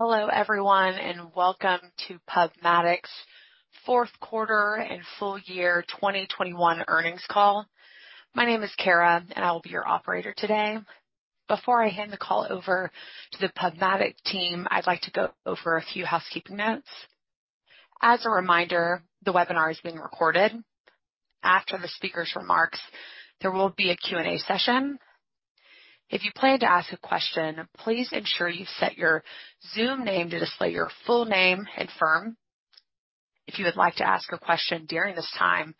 Hello, everyone, and welcome to PubMatic's fourth quarter and full year 2021 earnings call. My name is Kara and I will be your operator today. Before I hand the call over to the PubMatic team, I'd like to go over a few housekeeping notes. As a reminder, the webinar is being recorded. After the speaker's remarks, there will be a Q&A session. If you plan to ask a question, please ensure you've set your Zoom name to display your full name and firm. If you would like to ask a question during this time,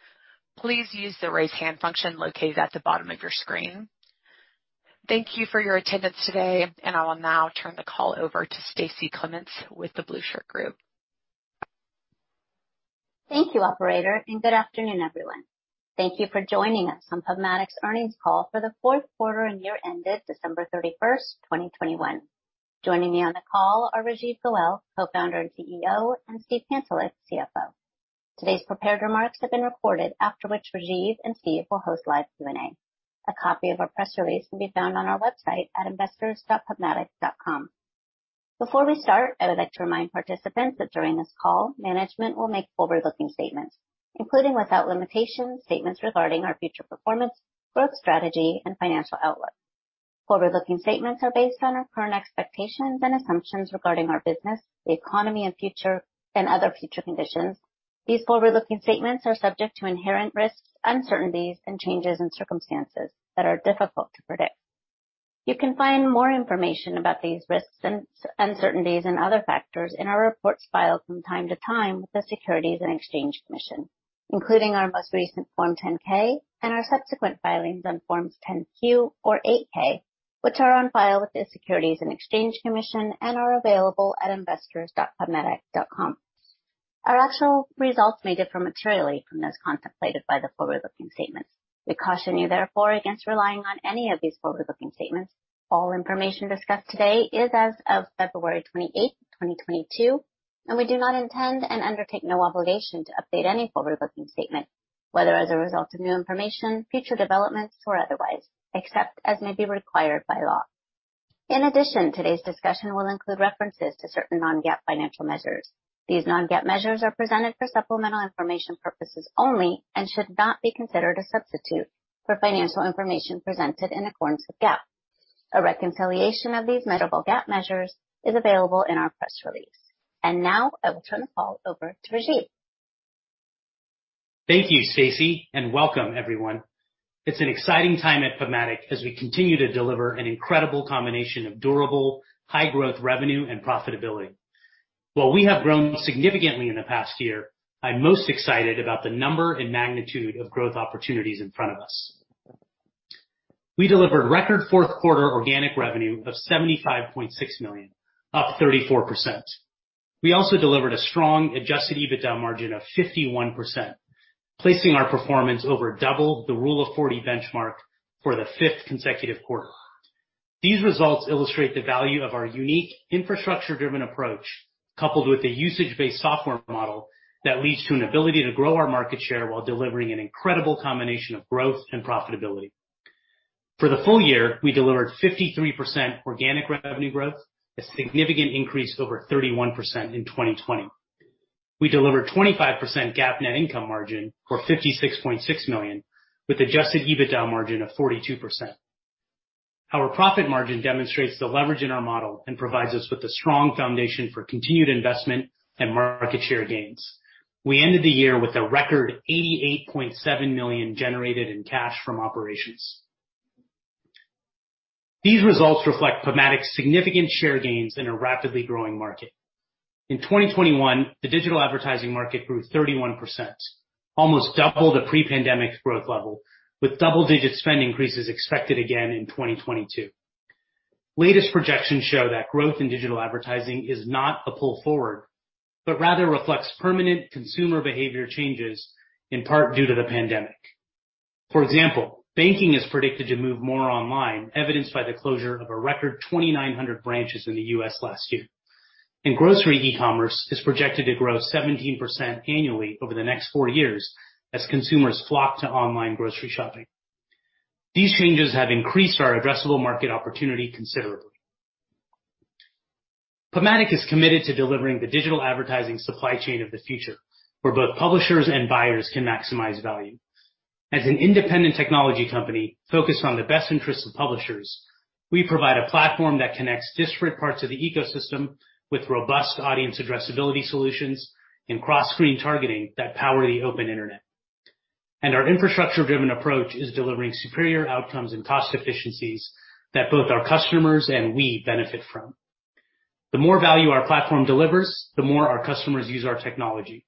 please use the Raise Hand function located at the bottom of your screen. Thank you for your attendance today, and I will now turn the call over to Stacie Clements with The Blueshirt Group. Thank you, operator, and good afternoon, everyone. Thank you for joining us on PubMatic's earnings call for the fourth quarter and year ended December 31, 2021. Joining me on the call are Rajeev Goel, Co-Founder and CEO, and Steve Pantelick, CFO. Today's prepared remarks have been recorded, after which Rajeev and Steve will host live Q&A. A copy of our press release can be found on our website at investors.pubmatic.com. Before we start, I would like to remind participants that during this call, management will make forward-looking statements, including, without limitation, statements regarding our future performance, growth strategy and financial outlook. Forward-looking statements are based on our current expectations and assumptions regarding our business, the economy and future and other future conditions. These forward-looking statements are subject to inherent risks, uncertainties and changes in circumstances that are difficult to predict. You can find more information about these risks and uncertainties and other factors in our reports filed from time to time with the Securities and Exchange Commission, including our most recent Form 10-K and our subsequent filings on Forms 10-Q or 8-K, which are on file with the Securities and Exchange Commission and are available at investors.pubmatic.com. Our actual results may differ materially from those contemplated by the forward-looking statements. We caution you, therefore, against relying on any of these forward-looking statements. All information discussed today is as of February 28, 2022, and we do not intend and undertake no obligation to update any forward-looking statement, whether as a result of new information, future developments, or otherwise, except as may be required by law. In addition, today's discussion will include references to certain non-GAAP financial measures. These non-GAAP measures are presented for supplemental information purposes only and should not be considered a substitute for financial information presented in accordance with GAAP. A reconciliation of these measures to GAAP measures is available in our press release. Now I will turn the call over to Rajeev. Thank you, Stacie, and welcome everyone. It's an exciting time at PubMatic as we continue to deliver an incredible combination of durable, high-growth revenue and profitability. While we have grown significantly in the past year, I'm most excited about the number and magnitude of growth opportunities in front of us. We delivered record fourth quarter organic revenue of $75.6 million, up 34%. We also delivered a strong adjusted EBITDA margin of 51%, placing our performance over double the rule of forty benchmark for the fifth consecutive quarter. These results illustrate the value of our unique infrastructure-driven approach, coupled with a usage-based software model that leads to an ability to grow our market share while delivering an incredible combination of growth and profitability. For the full year, we delivered 53% organic revenue growth, a significant increase over 31% in 2020. We delivered 25% GAAP net income margin, or $56.6 million, with adjusted EBITDA margin of 42%. Our profit margin demonstrates the leverage in our model and provides us with a strong foundation for continued investment and market share gains. We ended the year with a record $88.7 million generated in cash from operations. These results reflect PubMatic's significant share gains in a rapidly growing market. In 2021, the digital advertising market grew 31%, almost double the pre-pandemic growth level, with double-digit spend increases expected again in 2022. Latest projections show that growth in digital advertising is not a pull forward, but rather reflects permanent consumer behavior changes, in part due to the pandemic. For example, banking is predicted to move more online, evidenced by the closure of a record 2,900 branches in the U.S. last year. Grocery e-commerce is projected to grow 17% annually over the next four years as consumers flock to online grocery shopping. These changes have increased our addressable market opportunity considerably. PubMatic is committed to delivering the digital advertising supply chain of the future, where both publishers and buyers can maximize value. As an independent technology company focused on the best interests of publishers, we provide a platform that connects disparate parts of the ecosystem with robust audience addressability solutions and cross-screen targeting that power the open internet. Our infrastructure-driven approach is delivering superior outcomes and cost efficiencies that both our customers and we benefit from. The more value our platform delivers, the more our customers use our technology.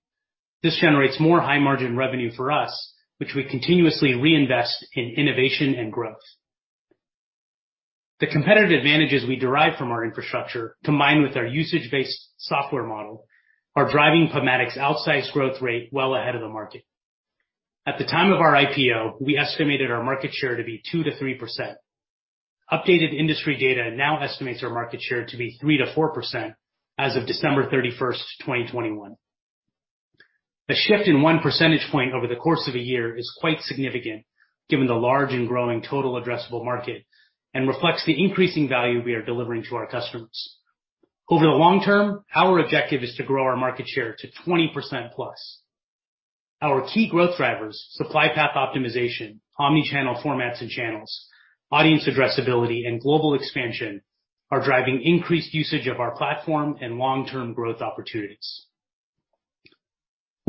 This generates more high-margin revenue for us, which we continuously reinvest in innovation and growth. The competitive advantages we derive from our infrastructure, combined with our usage-based software model, are driving PubMatic's outsized growth rate well ahead of the market. At the time of our IPO, we estimated our market share to be 2%-3%. Updated industry data now estimates our market share to be 3%-4% as of December 31, 2021. A shift in 1 percentage point over the course of a year is quite significant given the large and growing total addressable market, and reflects the increasing value we are delivering to our customers. Over the long term, our objective is to grow our market share to 20%+. Our key growth drivers, supply path optimization, omni-channel formats and channels, audience addressability, and global expansion, are driving increased usage of our platform and long-term growth opportunities.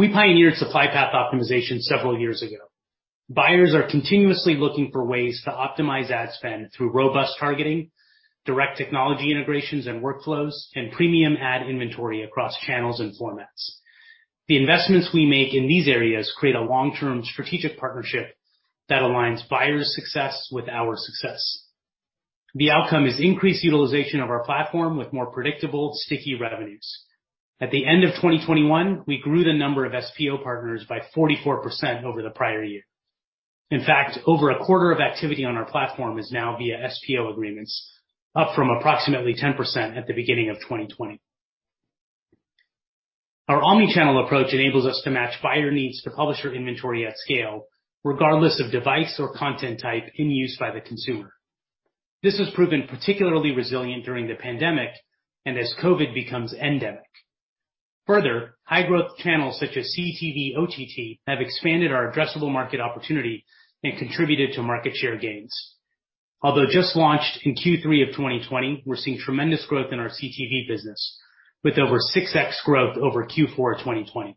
We pioneered supply path optimization several years ago. Buyers are continuously looking for ways to optimize ad spend through robust targeting, direct technology integrations and workflows, and premium ad inventory across channels and formats. The investments we make in these areas create a long-term strategic partnership that aligns buyers' success with our success. The outcome is increased utilization of our platform with more predictable, sticky revenues. At the end of 2021, we grew the number of SPO partners by 44% over the prior year. In fact, over a quarter of activity on our platform is now via SPO agreements, up from approximately 10% at the beginning of 2020. Our omni-channel approach enables us to match buyer needs to publisher inventory at scale, regardless of device or content type in use by the consumer. This has proven particularly resilient during the pandemic and as COVID becomes endemic. Further, high-growth channels such as CTV/OTT have expanded our addressable market opportunity and contributed to market share gains. Although just launched in Q3 of 2020, we're seeing tremendous growth in our CTV business with over 6x growth over Q4 of 2020.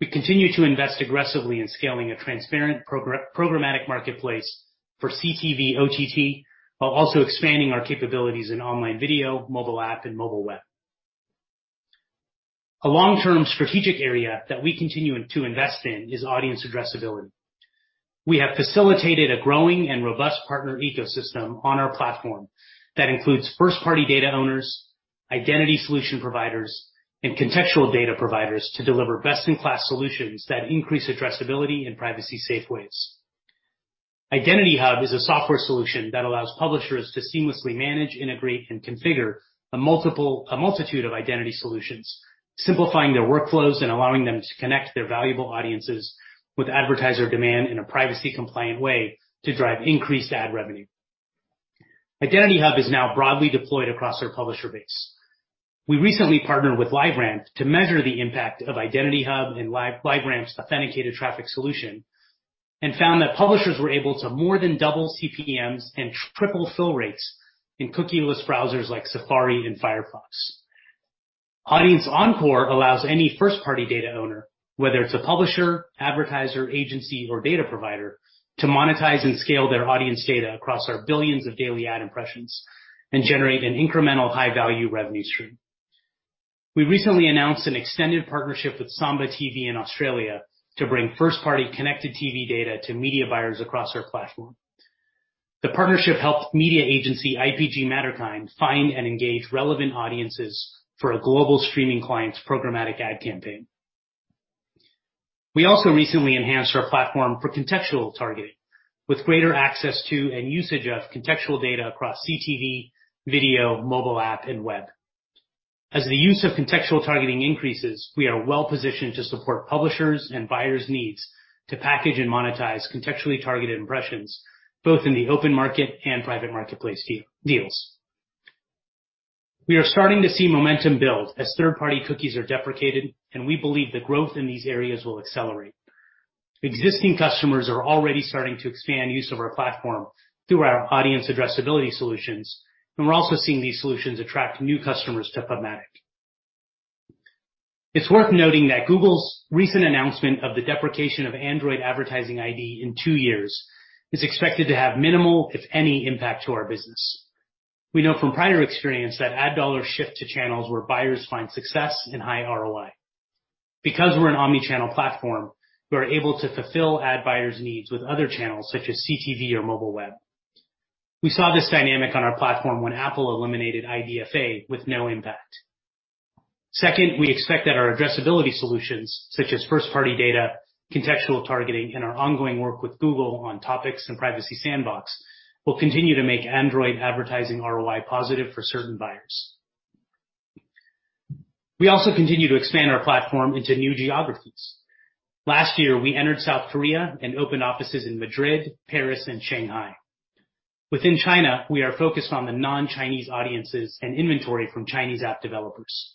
We continue to invest aggressively in scaling a transparent programmatic marketplace for CTV/OTT, while also expanding our capabilities in online video, mobile app, and mobile web. A long-term strategic area that we continue to invest in is audience addressability. We have facilitated a growing and robust partner ecosystem on our platform that includes first-party data owners, identity solution providers, and contextual data providers to deliver best-in-class solutions that increase addressability in privacy safe ways. Identity Hub is a software solution that allows publishers to seamlessly manage, integrate, and configure a multitude of identity solutions, simplifying their workflows and allowing them to connect their valuable audiences with advertiser demand in a privacy-compliant way to drive increased ad revenue. Identity Hub is now broadly deployed across our publisher base. We recently partnered with LiveRamp to measure the impact of Identity Hub and LiveRamp's authenticated traffic solution, and found that publishers were able to more than double CPMs and triple fill rates in cookieless browsers like Safari and Firefox. Audience Encore allows any first-party data owner, whether it's a publisher, advertiser, agency, or data provider, to monetize and scale their audience data across our billions of daily ad impressions and generate an incremental high-value revenue stream. We recently announced an extended partnership with Samba TV in Australia to bring first-party connected TV data to media buyers across our platform. The partnership helped media agency IPG Matterkind find and engage relevant audiences for a global streaming client's programmatic ad campaign. We also recently enhanced our platform for contextual targeting with greater access to and usage of contextual data across CTV, video, mobile app, and web. As the use of contextual targeting increases, we are well-positioned to support publishers' and buyers' needs to package and monetize contextually targeted impressions, both in the open market and private marketplace deals. We are starting to see momentum build as third-party cookies are deprecated, and we believe the growth in these areas will accelerate. Existing customers are already starting to expand use of our platform through our audience addressability solutions, and we're also seeing these solutions attract new customers to PubMatic. It's worth noting that Google's recent announcement of the deprecation of Android advertising ID in two years is expected to have minimal, if any, impact to our business. We know from prior experience that ad dollars shift to channels where buyers find success and high ROI. Because we're an omni-channel platform, we are able to fulfill ad buyers' needs with other channels, such as CTV or mobile web. We saw this dynamic on our platform when Apple eliminated IDFA with no impact. Second, we expect that our addressability solutions, such as first-party data, contextual targeting, and our ongoing work with Google on topics and Privacy Sandbox, will continue to make Android advertising ROI positive for certain buyers. We also continue to expand our platform into new geographies. Last year, we entered South Korea and opened offices in Madrid, Paris, and Shanghai. Within China, we are focused on the non-Chinese audiences and inventory from Chinese app developers.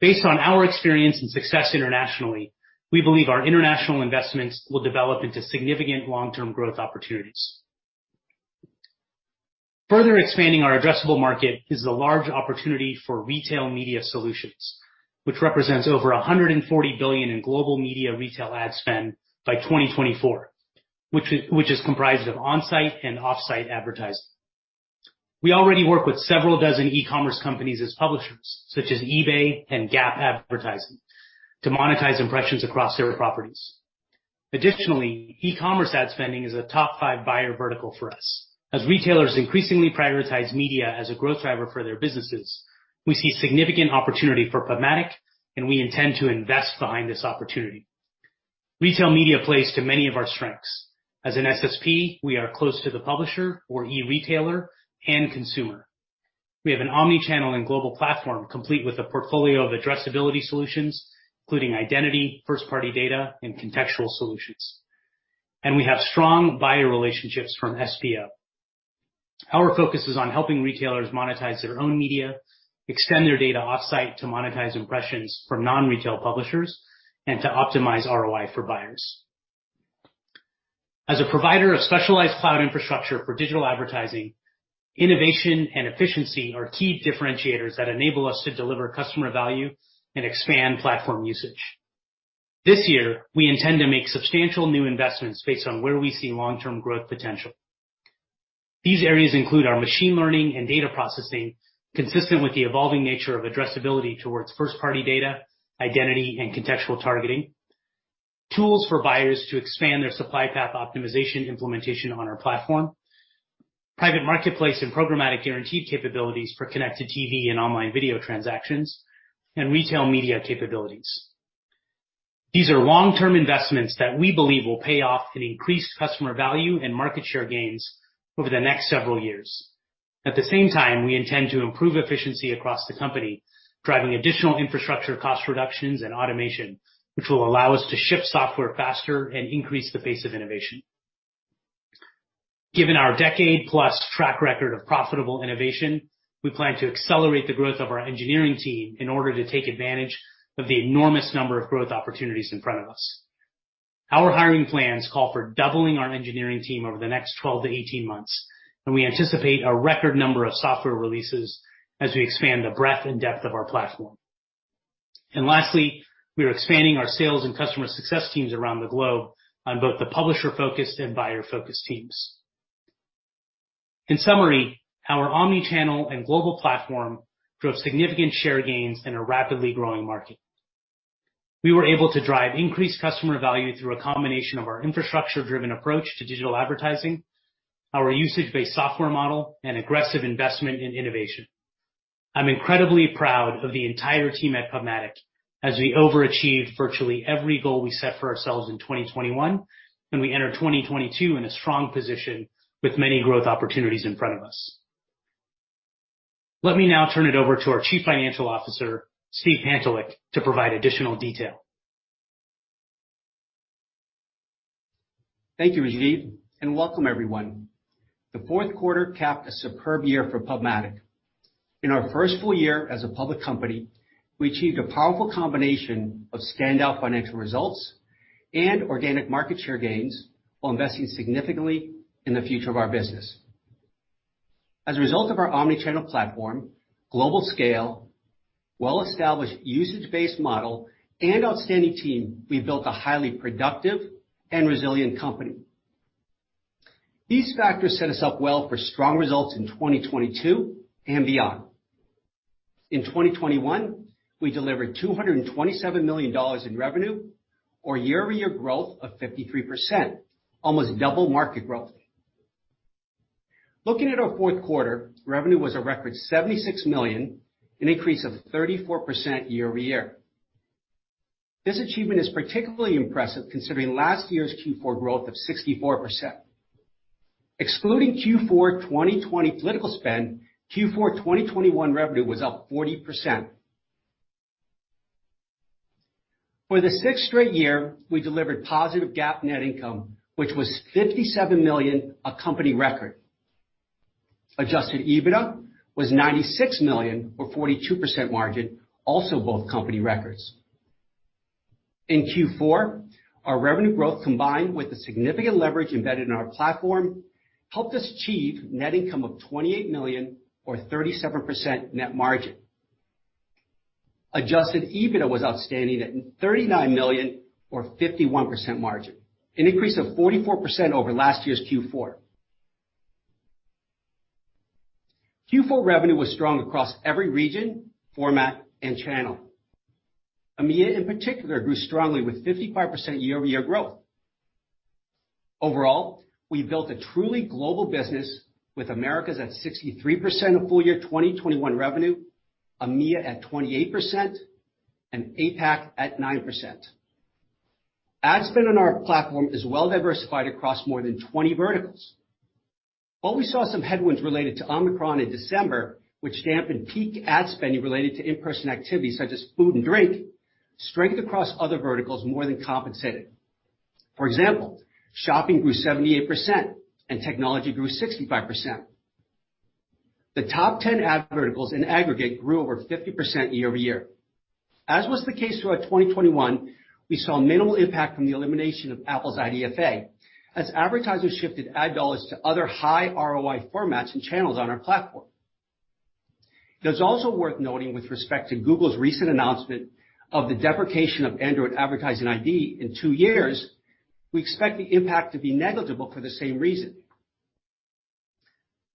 Based on our experience and success internationally, we believe our international investments will develop into significant long-term growth opportunities. Further expanding our addressable market is the large opportunity for retail media solutions, which represents over $140 billion in global media retail ad spend by 2024, which is comprised of on-site and off-site advertising. We already work with several dozen e-commerce companies as publishers, such as eBay and Gap Advertising, to monetize impressions across their properties. Additionally, e-commerce ad spending is a top five buyer vertical for us. As retailers increasingly prioritize media as a growth driver for their businesses, we see significant opportunity for PubMatic, and we intend to invest behind this opportunity. Retail media plays to many of our strengths. As an SSP, we are close to the publisher or e-retailer and consumer. We have an omni-channel and global platform complete with a portfolio of addressability solutions, including identity, first-party data, and contextual solutions. We have strong buyer relationships from SPO. Our focus is on helping retailers monetize their own media, extend their data off-site to monetize impressions from non-retail publishers and to optimize ROI for buyers. As a provider of specialized cloud infrastructure for digital advertising, innovation and efficiency are key differentiators that enable us to deliver customer value and expand platform usage. This year, we intend to make substantial new investments based on where we see long-term growth potential. These areas include our machine learning and data processing consistent with the evolving nature of addressability towards first-party data, identity, and contextual targeting, tools for buyers to expand their supply path optimization implementation on our platform, private marketplace and Programmatic Guaranteed capabilities for connected TV and online video transactions, and retail media capabilities. These are long-term investments that we believe will pay off in increased customer value and market share gains over the next several years. At the same time, we intend to improve efficiency across the company, driving additional infrastructure cost reductions and automation, which will allow us to ship software faster and increase the pace of innovation. Given our decade-plus track record of profitable innovation, we plan to accelerate the growth of our engineering team in order to take advantage of the enormous number of growth opportunities in front of us. Our hiring plans call for doubling our engineering team over the next 12-18 months, and we anticipate a record number of software releases as we expand the breadth and depth of our platform. Lastly, we are expanding our sales and customer success teams around the globe on both the publisher-focused and buyer-focused teams. In summary, our omni-channel and global platform drove significant share gains in a rapidly growing market. We were able to drive increased customer value through a combination of our infrastructure-driven approach to digital advertising, our usage-based software model, and aggressive investment in innovation. I'm incredibly proud of the entire team at PubMatic as we overachieved virtually every goal we set for ourselves in 2021, and we enter 2022 in a strong position with many growth opportunities in front of us. Let me now turn it over to our Chief Financial Officer, Steve Pantelick, to provide additional detail. Thank you, Rajeev, and welcome everyone. The fourth quarter capped a superb year for PubMatic. In our first full year as a public company, we achieved a powerful combination of standout financial results and organic market share gains while investing significantly in the future of our business. As a result of our omni-channel platform, global scale, well-established usage-based model, and outstanding team, we've built a highly productive and resilient company. These factors set us up well for strong results in 2022 and beyond. In 2021, we delivered $227 million in revenue or year-over-year growth of 53%, almost double market growth. Looking at our fourth quarter, revenue was a record $76 million, an increase of 34% year-over-year. This achievement is particularly impressive considering last year's Q4 growth of 64%. Excluding Q4 2020 political spend, Q4 2021 revenue was up 40%. For the 6th straight year, we delivered positive GAAP net income, which was $57 million, a company record. Adjusted EBITDA was $96 million or 42% margin, also both company records. In Q4, our revenue growth combined with the significant leverage embedded in our platform helped us achieve net income of $28 million or 37% net margin. Adjusted EBITDA was outstanding at $39 million or 51% margin, an increase of 44% over last year's Q4. Q4 revenue was strong across every region, format, and channel. EMEA in particular grew strongly with 55% year-over-year growth. Overall, we built a truly global business with Americas at 63% of full year 2021 revenue, EMEA at 28%, and APAC at 9%. Ad spend on our platform is well diversified across more than 20 verticals. While we saw some headwinds related to Omicron in December, which dampened peak ad spending related to in-person activities such as food and drink, strength across other verticals more than compensated. For example, shopping grew 78% and technology grew 65%. The top 10 ad verticals in aggregate grew over 50% year-over-year. As was the case throughout 2021, we saw minimal impact from the elimination of Apple's IDFA as advertisers shifted ad dollars to other high ROI formats and channels on our platform. It is also worth noting with respect to Google's recent announcement of the deprecation of Android advertising ID in two years, we expect the impact to be negligible for the same reason.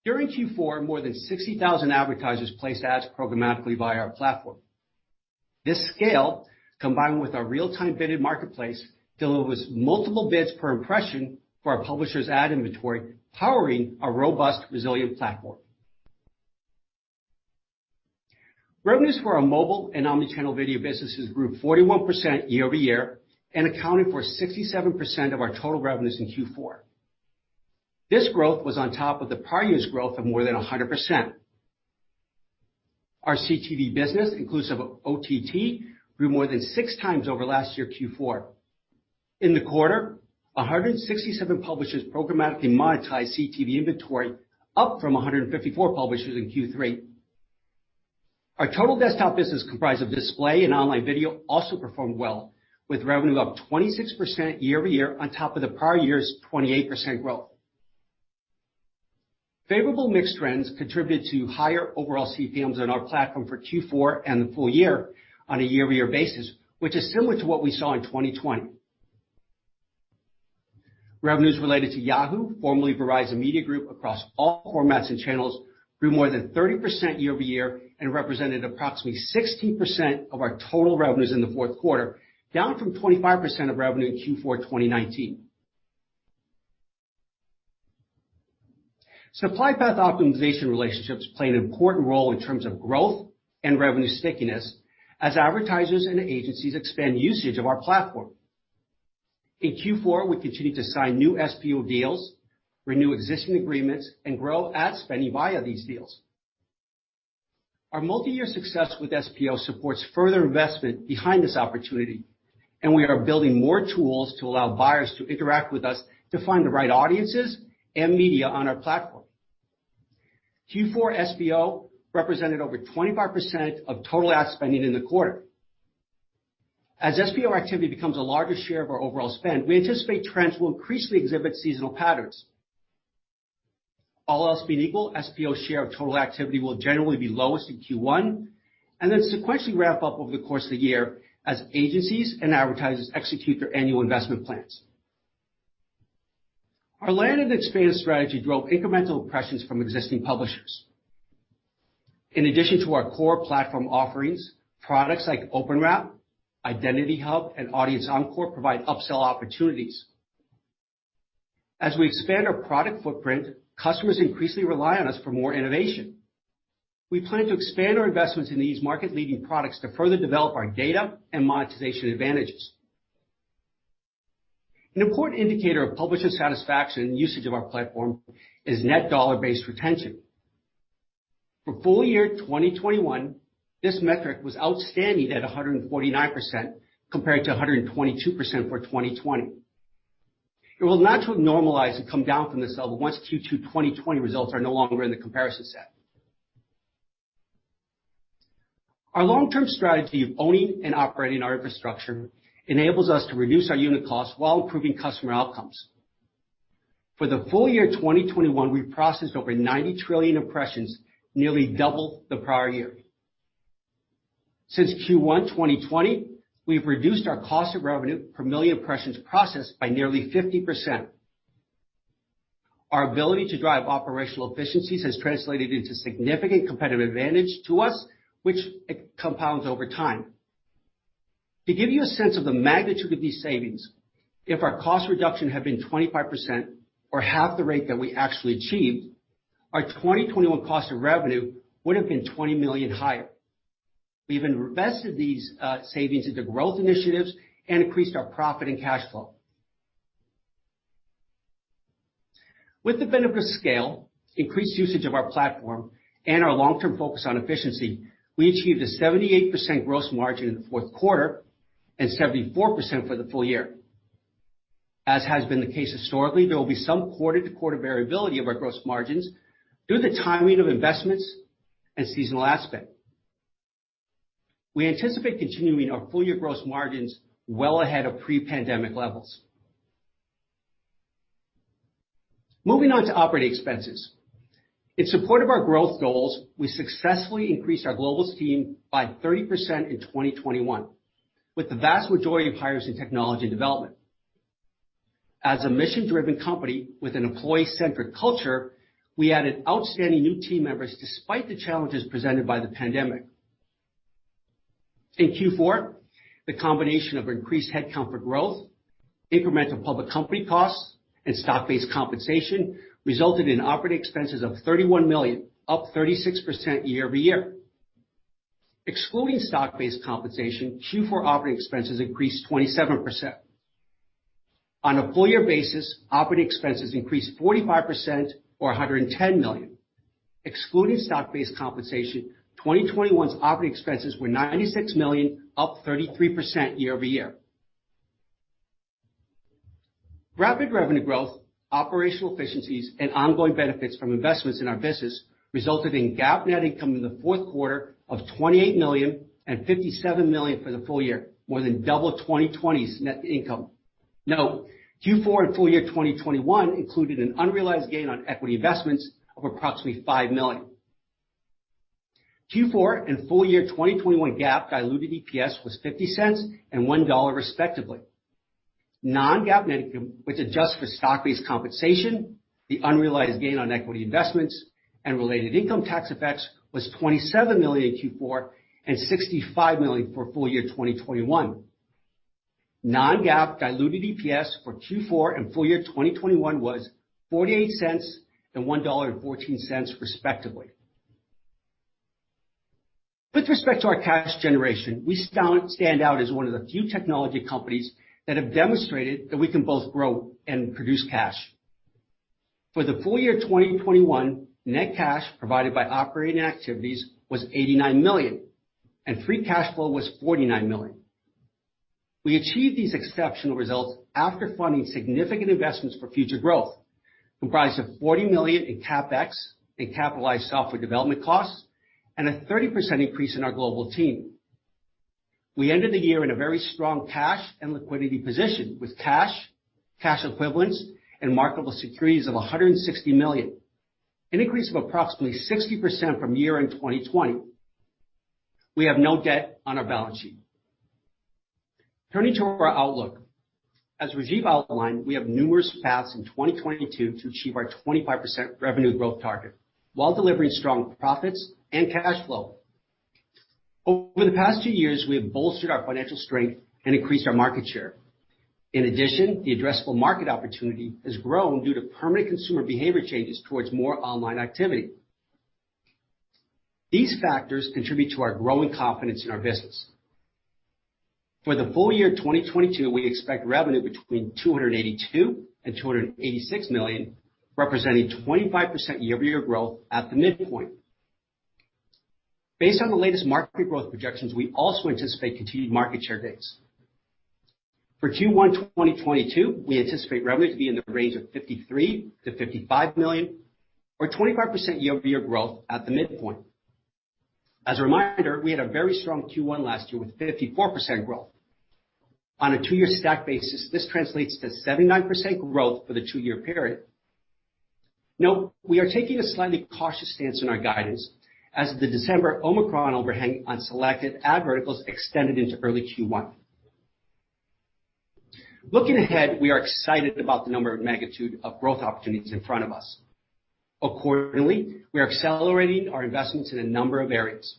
During Q4, more than 60,000 advertisers placed ads programmatically via our platform. This scale, combined with our real-time bidded marketplace, delivers multiple bids per impression for our publisher's ad inventory, powering a robust, resilient platform. Revenues for our mobile and omnichannel video businesses grew 41% year-over-year and accounted for 67% of our total revenues in Q4. This growth was on top of the prior year's growth of more than 100%. Our CTV business, inclusive of OTT, grew more than 6x over last year's Q4. In the quarter, 167 publishers programmatically monetized CTV inventory, up from 154 publishers in Q3. Our total desktop business comprised of display and online video also performed well, with revenue up 26% year-over-year on top of the prior year's 28% growth. Favorable mix trends contributed to higher overall CPMs on our platform for Q4 and the full year on a year-over-year basis, which is similar to what we saw in 2020. Revenues related to Yahoo, formerly Verizon Media, across all formats and channels grew more than 30% year-over-year and represented approximately 16% of our total revenues in the fourth quarter, down from 25% of revenue in Q4 2019. Supply path optimization relationships play an important role in terms of growth and revenue stickiness as advertisers and agencies expand usage of our platform. In Q4, we continued to sign new SPO deals, renew existing agreements, and grow ad spending via these deals. Our multi-year success with SPO supports further investment behind this opportunity, and we are building more tools to allow buyers to interact with us to find the right audiences and media on our platform. Q4 SPO represented over 25% of total ad spending in the quarter. As SPO activity becomes a larger share of our overall spend, we anticipate trends will increasingly exhibit seasonal patterns. All else being equal, SPO share of total activity will generally be lowest in Q1 and then sequentially ramp up over the course of the year as agencies and advertisers execute their annual investment plans. Our land and expand strategy drove incremental impressions from existing publishers. In addition to our core platform offerings, products like OpenWrap, Identity Hub, and Audience Encore provide upsell opportunities. As we expand our product footprint, customers increasingly rely on us for more innovation. We plan to expand our investments into these market-leading products to further develop our data and monetization advantages. An important indicator of publisher satisfaction and usage of our platform is net dollar-based retention. For full year 2021, this metric was outstanding at 149% compared to 122% for 2020. It will naturally normalize and come down from this level once Q2 2020 results are no longer in the comparison set. Our long-term strategy of owning and operating our infrastructure enables us to reduce our unit costs while improving customer outcomes. For the full year 2021, we processed over 90 trillion impressions, nearly double the prior year. Since Q1 2020, we've reduced our cost of revenue per million impressions processed by nearly 50%. Our ability to drive operational efficiencies has translated into significant competitive advantage to us, which it compounds over time. To give you a sense of the magnitude of these savings, if our cost reduction had been 25% or half the rate that we actually achieved, our 2021 cost of revenue would have been $20 million higher. We've invested these savings into growth initiatives and increased our profit and cash flow. With the benefit of scale, increased usage of our platform, and our long-term focus on efficiency, we achieved a 78% gross margin in the fourth quarter and 74% for the full year. As has been the case historically, there will be some quarter-to-quarter variability of our gross margins due to the timing of investments and seasonal ad spend. We anticipate continuing our full-year gross margins well ahead of pre-pandemic levels. Moving on to operating expenses. In support of our growth goals, we successfully increased our global team by 30% in 2021, with the vast majority of hires in technology and development. As a mission-driven company with an employee-centric culture, we added outstanding new team members despite the challenges presented by the pandemic. In Q4, the combination of increased headcount for growth, incremental public company costs, and stock-based compensation resulted in operating expenses of $31 million, up 36% year-over-year. Excluding stock-based compensation, Q4 operating expenses increased 27%. On a full-year basis, operating expenses increased 45% or $110 million. Excluding stock-based compensation, 2021's operating expenses were $96 million, up 33% year-over-year. Rapid revenue growth, operational efficiencies, and ongoing benefits from investments in our business resulted in GAAP net income in the fourth quarter of $28 million and $57 million for the full year, more than double 2020's net income. Note, Q4 and full year 2021 included an unrealized gain on equity investments of approximately $5 million. Q4 and full year 2021 GAAP diluted EPS was $0.50 and $1.00, respectively. Non-GAAP net income, which adjusts for stock-based compensation, the unrealized gain on equity investments, and related income tax effects was $27 million in Q4 and $65 million for full year 2021. Non-GAAP diluted EPS for Q4 and full year 2021 was $0.48 and $1.14 respectively. With respect to our cash generation, we stand out as one of the few technology companies that have demonstrated that we can both grow and produce cash. For the full year 2021, net cash provided by operating activities was $89 million, and free cash flow was $49 million. We achieved these exceptional results after funding significant investments for future growth, comprised of $40 million in CapEx in capitalized software development costs, and a 30% increase in our global team. We ended the year in a very strong cash and liquidity position with cash equivalents, and marketable securities of $160 million, an increase of approximately 60% from year-end 2020. We have no debt on our balance sheet. Turning to our outlook. As Rajeev outlined, we have numerous paths in 2022 to achieve our 25% revenue growth target while delivering strong profits and cash flow. Over the past two years, we have bolstered our financial strength and increased our market share. In addition, the addressable market opportunity has grown due to permanent consumer behavior changes towards more online activity. These factors contribute to our growing confidence in our business. For the full year 2022, we expect revenue between $282 million and $286 million, representing 25% year-over-year growth at the midpoint. Based on the latest market growth projections, we also anticipate continued market share gains. For Q1 2022, we anticipate revenue to be in the range of $53 million-$55 million or 25% year-over-year growth at the midpoint. As a reminder, we had a very strong Q1 last year with 54% growth. On a two-year stack basis, this translates to 79% growth for the two-year period. Note, we are taking a slightly cautious stance on our guidance as the December Omicron overhang on selected ad verticals extended into early Q1. Looking ahead, we are excited about the number and magnitude of growth opportunities in front of us. Accordingly, we are accelerating our investments in a number of areas.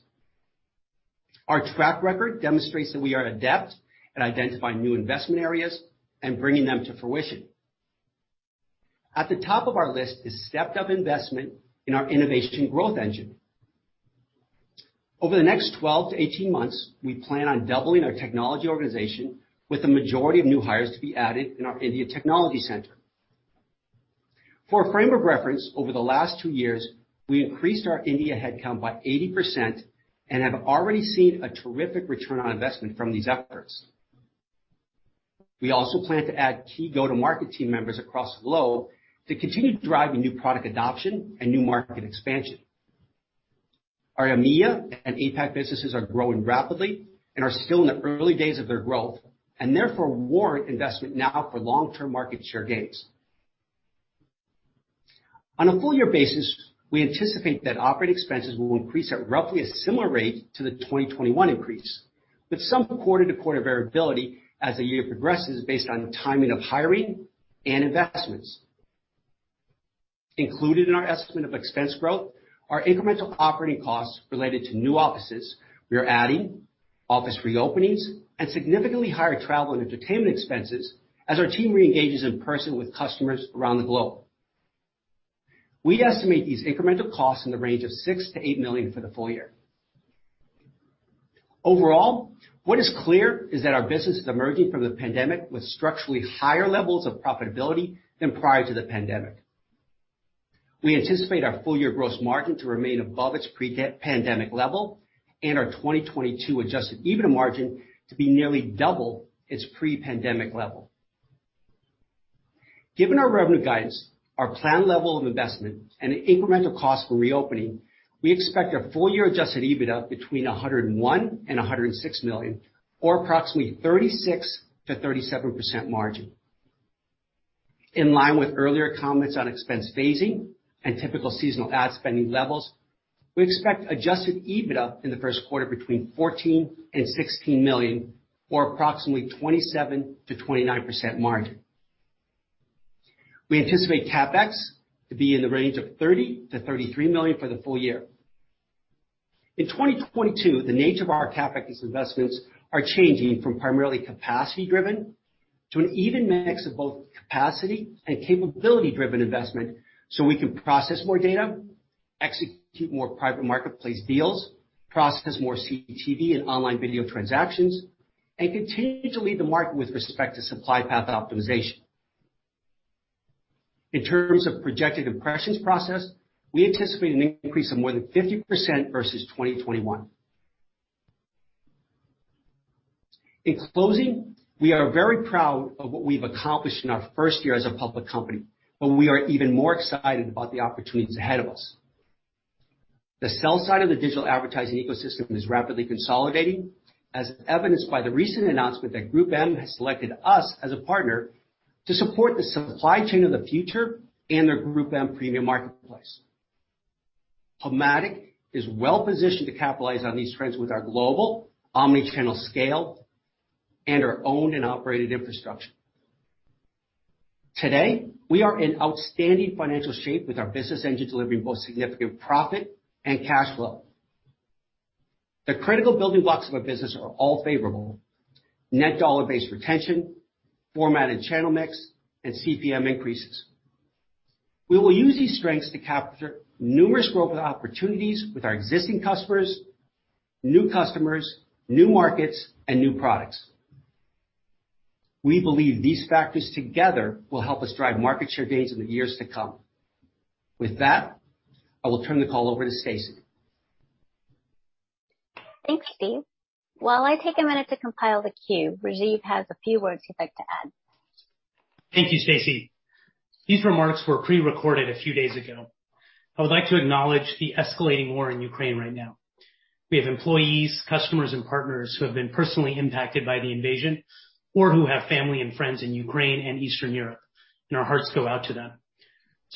Our track record demonstrates that we are adept at identifying new investment areas and bringing them to fruition. At the top of our list is stepped-up investment in our innovation growth engine. Over the next 12-18 months, we plan on doubling our technology organization with the majority of new hires to be added in our India technology center. For a frame of reference, over the last two years, we increased our India headcount by 80% and have already seen a terrific return on investment from these efforts. We also plan to add key go-to-market team members across the globe to continue driving new product adoption and new market expansion. Our EMEA and APAC businesses are growing rapidly and are still in the early days of their growth, and therefore warrant investment now for long-term market share gains. On a full year basis, we anticipate that operating expenses will increase at roughly a similar rate to the 2021 increase, with some quarter-to-quarter variability as the year progresses based on timing of hiring and investments. Included in our estimate of expense growth are incremental operating costs related to new offices we are adding, office reopenings, and significantly higher travel and entertainment expenses as our team reengages in person with customers around the globe. We estimate these incremental costs in the range of $6 million-$8 million for the full year. Overall, what is clear is that our business is emerging from the pandemic with structurally higher levels of profitability than prior to the pandemic. We anticipate our full year gross margin to remain above its pre-pandemic level and our 2022 adjusted EBITDA margin to be nearly double its pre-pandemic level. Given our revenue guidance, our planned level of investment, and the incremental cost for reopening, we expect our full year adjusted EBITDA between $101 million and $106 million or approximately 36%-37% margin. In line with earlier comments on expense phasing and typical seasonal ad spending levels, we expect adjusted EBITDA in the first quarter between $14 million and $16 million or approximately 27%-29% margin. We anticipate CapEx to be in the range of $30 million-$33 million for the full year. In 2022, the nature of our CapEx investments are changing from primarily capacity driven to an even mix of both capacity and capability driven investment so we can process more data, execute more private marketplace deals, process more CTV and online video transactions, and continue to lead the market with respect to supply path optimization. In terms of projected impressions processed, we anticipate an increase of more than 50% versus 2021. In closing, we are very proud of what we've accomplished in our first year as a public company, but we are even more excited about the opportunities ahead of us. The sell side of the digital advertising ecosystem is rapidly consolidating, as evidenced by the recent announcement that GroupM has selected us as a partner to support the supply chain of the future and their GroupM premium marketplace. PubMatic is well-positioned to capitalize on these trends with our global omni-channel scale and our owned and operated infrastructure. Today, we are in outstanding financial shape with our business engine delivering both significant profit and cash flow. The critical building blocks of our business are all favorable. Net dollar-based retention, favorable channel mix, and CPM increases. We will use these strengths to capture numerous growth opportunities with our existing customers, new customers, new markets, and new products. We believe these factors together will help us drive market share gains in the years to come. With that, I will turn the call over to Stacie. Thanks, Steve. While I take a minute to compile the queue, Rajeev has a few words he'd like to add. Thank you, Stacie. These remarks were pre-recorded a few days ago. I would like to acknowledge the escalating war in Ukraine right now. We have employees, customers, and partners who have been personally impacted by the invasion or who have family and friends in Ukraine and Eastern Europe, and our hearts go out to them.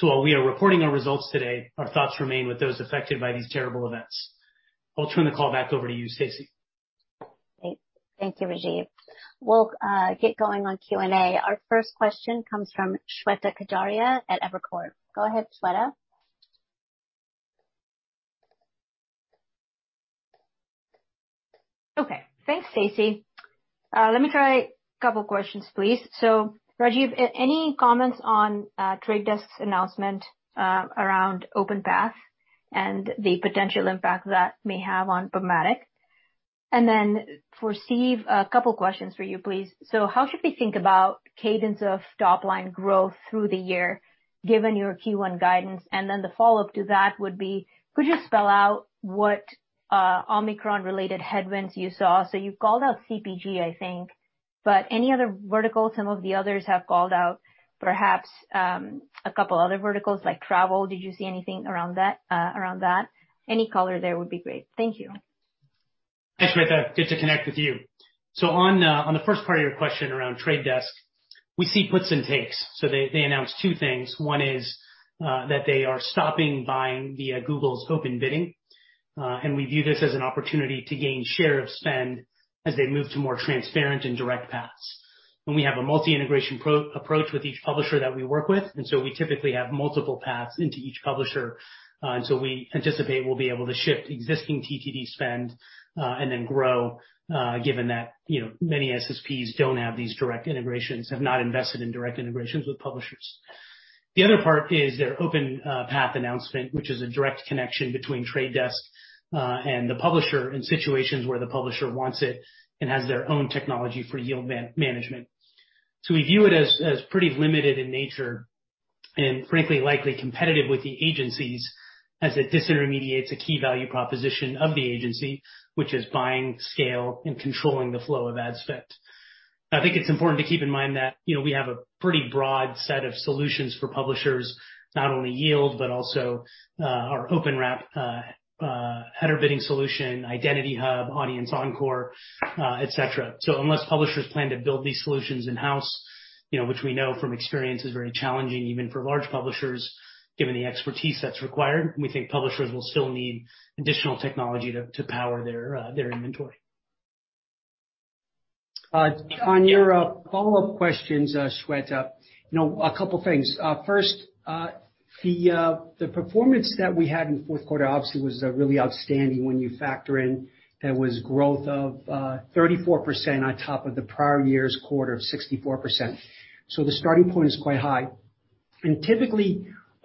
While we are reporting our results today, our thoughts remain with those affected by these terrible events. I'll turn the call back over to you, Stacie. Great. Thank you, Rajeev. We'll get going on Q&A. Our first question comes from Shweta Khajuria at Evercore. Go ahead, Shweta. Okay. Thanks, Stacie. Let me try a couple questions, please. Rajeev, any comments on The Trade Desk's announcement around OpenPath and the potential impact that may have on PubMatic? And then for Steve, a couple questions for you, please. How should we think about cadence of top line growth through the year given your Q1 guidance? And then the follow-up to that would be, could you spell out what Omicron-related headwinds you saw? You called out CPG, I think, but any other verticals some of the others have called out, perhaps a couple other verticals like travel. Did you see anything around that, around that? Any color there would be great. Thank you. Thanks, Shweta. Good to connect with you. On the first part of your question around The Trade Desk, we see puts and takes. They announced two things. One is that they are stopping buying via Google's open bidding, and we view this as an opportunity to gain share of spend as they move to more transparent and direct paths. We have a multi-integration approach with each publisher that we work with, and so we typically have multiple paths into each publisher, and so we anticipate we'll be able to shift existing TTD spend, and then grow, given that, you know, many SSPs don't have these direct integrations, have not invested in direct integrations with publishers. The other part is their OpenPath announcement, which is a direct connection between Trade Desk and the publisher in situations where the publisher wants it and has their own technology for yield management. We view it as pretty limited in nature and frankly, likely competitive with the agencies as it disintermediates a key value proposition of the agency, which is buying scale and controlling the flow of ad spend. I think it's important to keep in mind that, you know, we have a pretty broad set of solutions for publishers, not only yield, but also our OpenWrap header bidding solution, Identity Hub, Audience Encore, etc. Unless publishers plan to build these solutions in-house, you know, which we know from experience is very challenging even for large publishers, given the expertise that's required, we think publishers will still need additional technology to power their inventory. On your follow-up questions, Shweta, you know, a couple things. First, the performance that we had in fourth quarter obviously was really outstanding when you factor in there was growth of 34% on top of the prior year's quarter of 64%. The starting point is quite high. Typically, you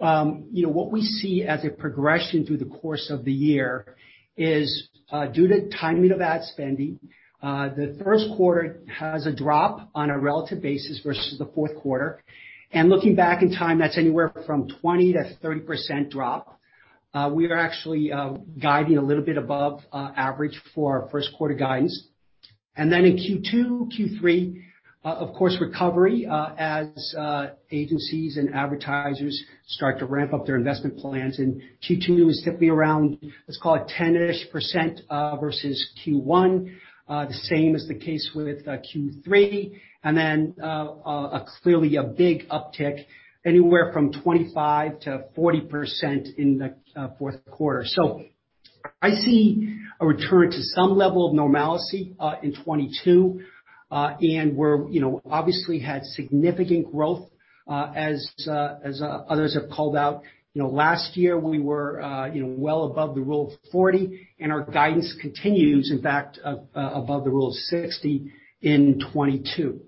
know, what we see as a progression through the course of the year is due to timing of ad spending, the first quarter has a drop on a relative basis versus the fourth quarter. Looking back in time, that's anywhere from 20%-30% drop. We are actually guiding a little bit above average for our first quarter guidance. Then in Q2, Q3, of course, recovery, as agencies and advertisers start to ramp up their investment plans. Q2 is typically around, let's call it 10-ish%, versus Q1. The same is the case with Q3. Clearly a big uptick, anywhere from 25%-40% in the fourth quarter. I see a return to some level of normalcy in 2022. We're, you know, obviously had significant growth, as others have called out. You know, last year we were, you know, well above the rule of 40, and our guidance continues, in fact, above the rule of 60 in 2022.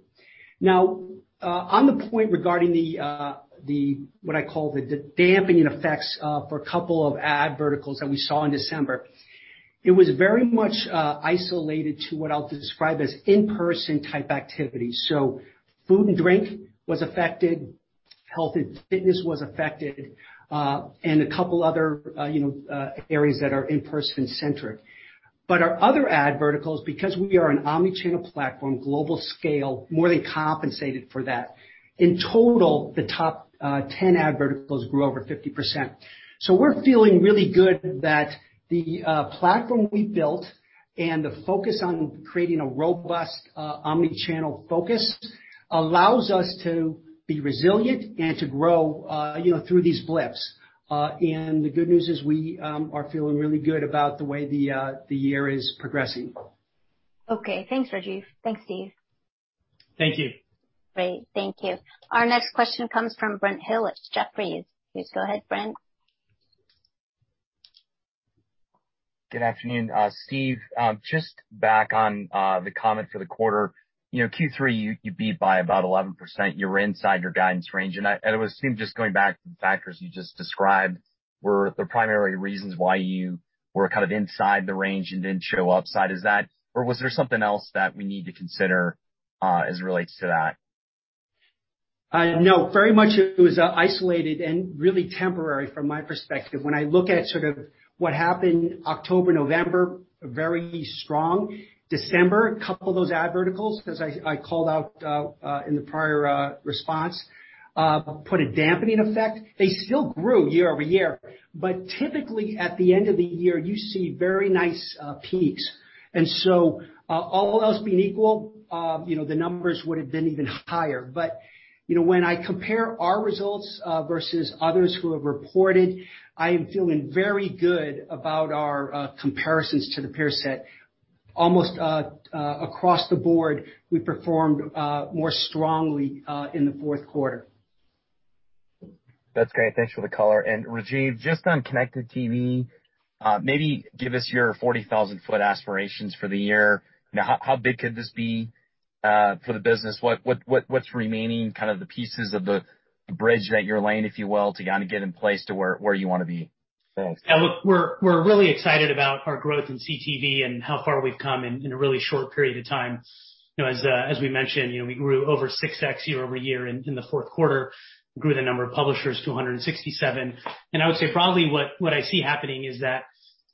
Now, on the point regarding the what I call the dampening effects for a couple of ad verticals that we saw in December, it was very much isolated to what I'll describe as in-person type activities. Food and drink was affected, health and fitness was affected, and a couple other you know areas that are in-person centric. Our other ad verticals, because we are an omnichannel platform, global scale, more than compensated for that. In total, the top 10 ad verticals grew over 50%. We're feeling really good that the platform we built and the focus on creating a robust omnichannel focus allows us to be resilient and to grow you know through these blips. The good news is we are feeling really good about the way the year is progressing. Okay. Thanks, Rajeev. Thanks, Steve. Thank you. Great. Thank you. Our next question comes from Brent Thill at Jefferies. Please go ahead, Brent. Good afternoon. Steve, just back on the comment for the quarter. You know, Q3, you beat by about 11%. You were inside your guidance range. It seemed just going back to the factors you just described were the primary reasons why you were kind of inside the range and didn't show upside. Is that? Or was there something else that we need to consider, as it relates to that? No, very much it was isolated and really temporary from my perspective. When I look at sort of what happened October, November, very strong. December, a couple of those ad verticals, as I called out in the prior response, put a dampening effect. They still grew year-over-year. Typically, at the end of the year, you see very nice peaks. All else being equal, you know, the numbers would have been even higher. You know, when I compare our results versus others who have reported, I am feeling very good about our comparisons to the peer set. Almost across the board, we performed more strongly in the fourth quarter. That's great. Thanks for the color. Rajeev, just on connected TV, maybe give us your 40,000-foot aspirations for the year. You know, how big could this be for the business? What's remaining kind of the pieces of the bridge that you're laying, if you will, to kinda get in place to where you wanna be? Thanks. Yeah, look, we're really excited about our growth in CTV and how far we've come in a really short period of time. You know, as we mentioned, you know, we grew over 6x year-over-year in the fourth quarter. Grew the number of publishers to 167. I would say probably what I see happening is that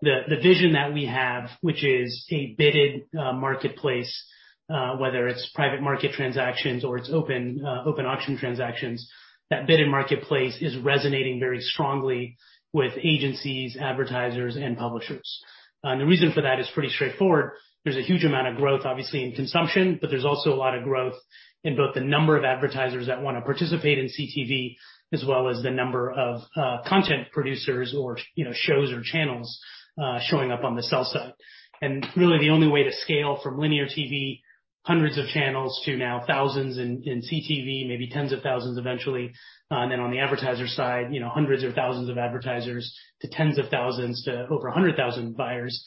the vision that we have, which is a bidded marketplace, whether it's private market transactions or it's open auction transactions, that bidded marketplace is resonating very strongly with agencies, advertisers, and publishers. The reason for that is pretty straightforward. There's a huge amount of growth, obviously, in consumption, but there's also a lot of growth in both the number of advertisers that wanna participate in CTV, as well as the number of content producers or, you know, shows or channels showing up on the sell side. Really the only way to scale from linear TV, hundreds of channels to now thousands in CTV, maybe tens of thousands eventually, and then on the advertiser side, you know, hundreds of thousands of advertisers to tens of thousands to over a hundred thousand buyers,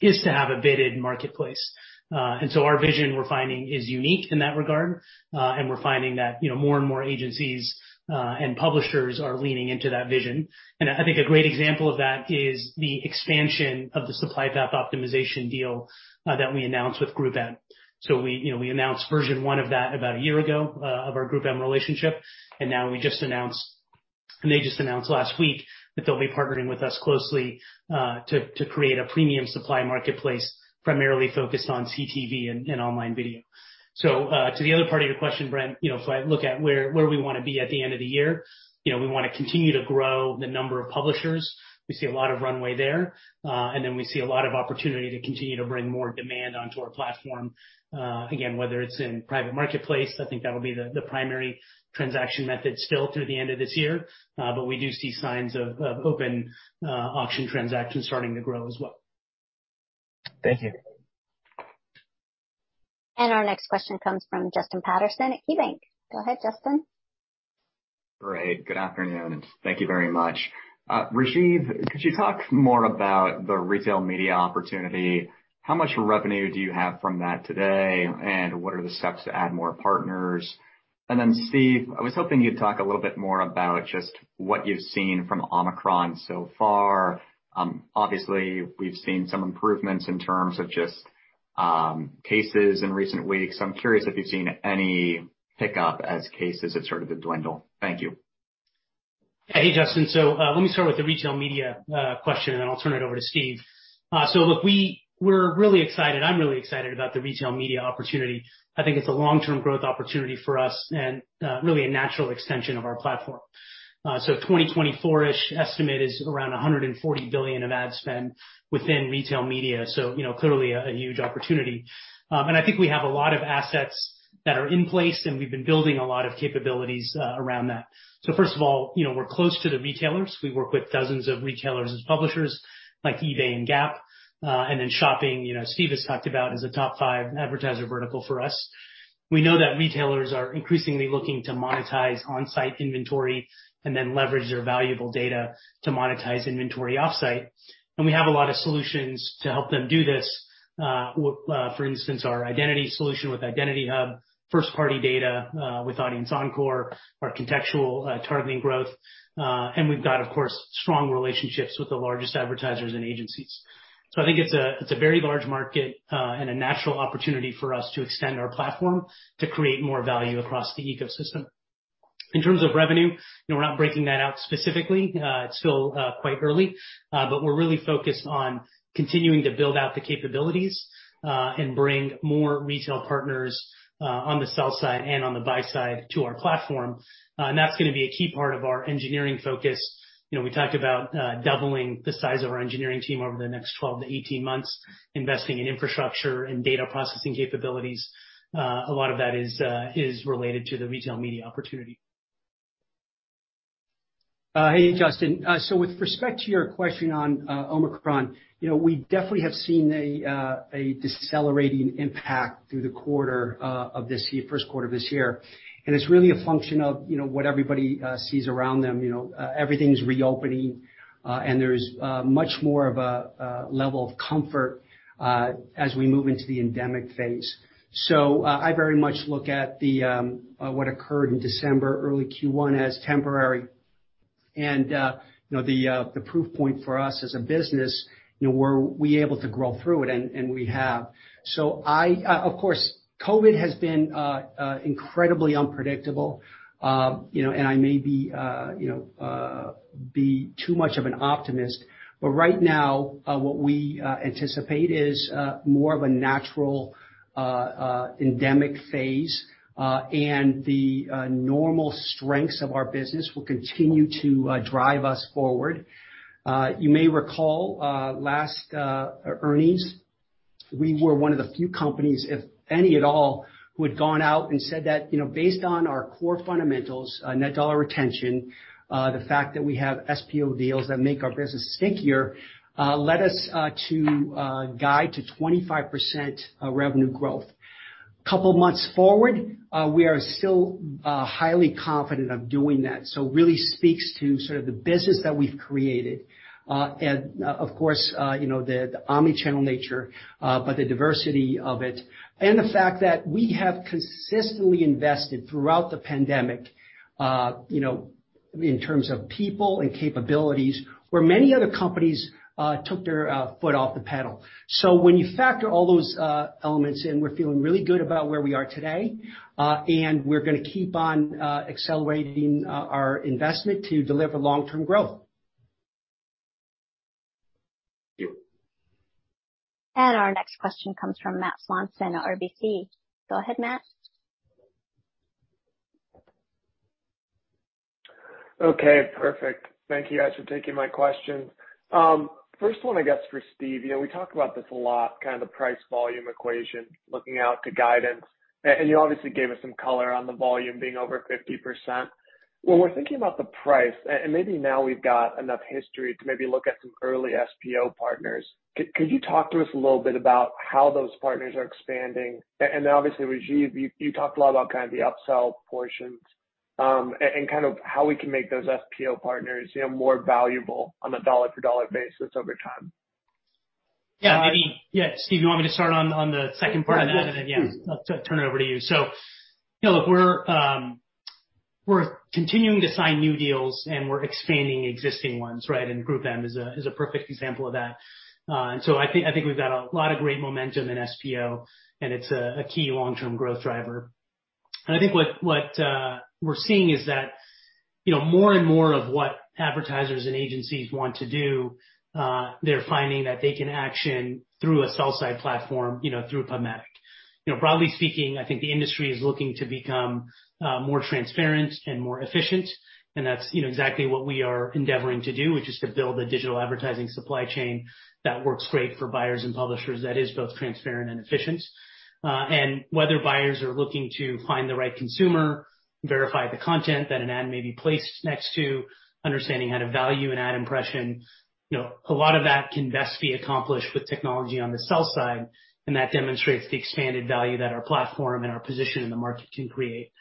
is to have a bidded marketplace. Our vision, we're finding, is unique in that regard. We're finding that, you know, more and more agencies and publishers are leaning into that vision. I think a great example of that is the expansion of the supply path optimization deal that we announced with GroupM. We announced version one of that about a year ago of our GroupM relationship, and now they just announced last week that they'll be partnering with us closely to create a premium supply marketplace, primarily focused on CTV and online video. To the other part of your question, Brent, if I look at where we wanna be at the end of the year, we wanna continue to grow the number of publishers. We see a lot of runway there. We see a lot of opportunity to continue to bring more demand onto our platform. Again, whether it's in private marketplace, I think that would be the primary transaction method still through the end of this year. We do see signs of open auction transactions starting to grow as well. Thank you. Our next question comes from Justin Patterson at KeyBanc. Go ahead, Justin. Great. Good afternoon. Thank you very much. Rajeev, could you talk more about the retail media opportunity? How much revenue do you have from that today, and what are the steps to add more partners? Steve, I was hoping you'd talk a little bit more about just what you've seen from Omicron so far. Obviously, we've seen some improvements in terms of just cases in recent weeks. I'm curious if you've seen any pickup as cases have started to dwindle. Thank you. Hey, Justin. Let me start with the retail media question, and then I'll turn it over to Steve. Look, we're really excited. I'm really excited about the retail media opportunity. I think it's a long-term growth opportunity for us and really a natural extension of our platform. 2024-ish estimate is around $140 billion of ad spend within retail media, so you know, clearly a huge opportunity. I think we have a lot of assets that are in place, and we've been building a lot of capabilities around that. First of all, you know, we're close to the retailers. We work with dozens of retailers as publishers, like eBay and Gap. Then shopping, you know, Steve has talked about, is a top five advertiser vertical for us. We know that retailers are increasingly looking to monetize on-site inventory and then leverage their valuable data to monetize inventory off-site. We have a lot of solutions to help them do this. For instance, our identity solution with Identity Hub, first-party data, with Audience Encore, our contextual targeting growth. We've got, of course, strong relationships with the largest advertisers and agencies. I think it's a very large market, and a natural opportunity for us to extend our platform to create more value across the ecosystem. In terms of revenue, you know, we're not breaking that out specifically. It's still quite early, but we're really focused on continuing to build out the capabilities, and bring more retail partners on the sell side and on the buy side to our platform. That's gonna be a key part of our engineering focus. You know, we talked about doubling the size of our engineering team over the next 12-18 months, investing in infrastructure and data processing capabilities. A lot of that is related to the retail media opportunity. Hey, Justin. With respect to your question on Omicron, you know, we definitely have seen a decelerating impact through the quarter of this year, first quarter of this year. It's really a function of, you know, what everybody sees around them, you know. Everything's reopening, and there's much more of a level of comfort as we move into the endemic phase. I very much look at what occurred in December, early Q1 as temporary. You know, the proof point for us as a business, you know, were we able to grow through it, and we have. Of course, COVID has been incredibly unpredictable. You know, I may be too much of an optimist, but right now, what we anticipate is more of a natural, endemic phase, and the normal strengths of our business will continue to drive us forward. You may recall, last earnings, we were one of the few companies, if any at all, who had gone out and said that, you know, based on our core fundamentals, net dollar retention, the fact that we have SPO deals that make our business stickier, led us to guide to 25% revenue growth. Couple months forward, we are still highly confident of doing that. Really speaks to sort of the business that we've created. Of course, you know, the omni-channel nature, but the diversity of it and the fact that we have consistently invested throughout the pandemic, you know, in terms of people and capabilities, where many other companies took their foot off the pedal. When you factor all those elements in, we're feeling really good about where we are today, and we're gonna keep on accelerating our investment to deliver long-term growth. Thank you. Our next question comes from Matt Swanson, RBC. Go ahead, Matt. Okay, perfect. Thank you guys for taking my questions. First one, I guess, for Steve. You know, we talked about this a lot, kind of the price volume equation, looking out to guidance. You obviously gave us some color on the volume being over 50%. When we're thinking about the price, maybe now we've got enough history to maybe look at some early SPO partners. Could you talk to us a little bit about how those partners are expanding? Obviously, Rajeev, you talked a lot about kind of the upsell portions, kind of how we can make those SPO partners, you know, more valuable on a dollar for dollar basis over time. Yeah, Steve, you want me to start on the second part of that, and then, yeah, I'll turn it over to you. You know, look, we're continuing to sign new deals, and we're expanding existing ones, right? GroupM is a perfect example of that. I think we've got a lot of great momentum in SPO, and it's a key long-term growth driver. I think what we're seeing is that, you know, more and more of what advertisers and agencies want to do, they're finding that they can action through a sell-side platform, you know, through PubMatic. You know, broadly speaking, I think the industry is looking to become more transparent and more efficient, and that's, you know, exactly what we are endeavoring to do, which is to build a digital advertising supply chain that works great for buyers and publishers that is both transparent and efficient. Whether buyers are looking to find the right consumer, verify the content that an ad may be placed next to, understanding how to value an ad impression, you know, a lot of that can best be accomplished with technology on the sell side, and that demonstrates the expanded value that our platform and our position in the market can create.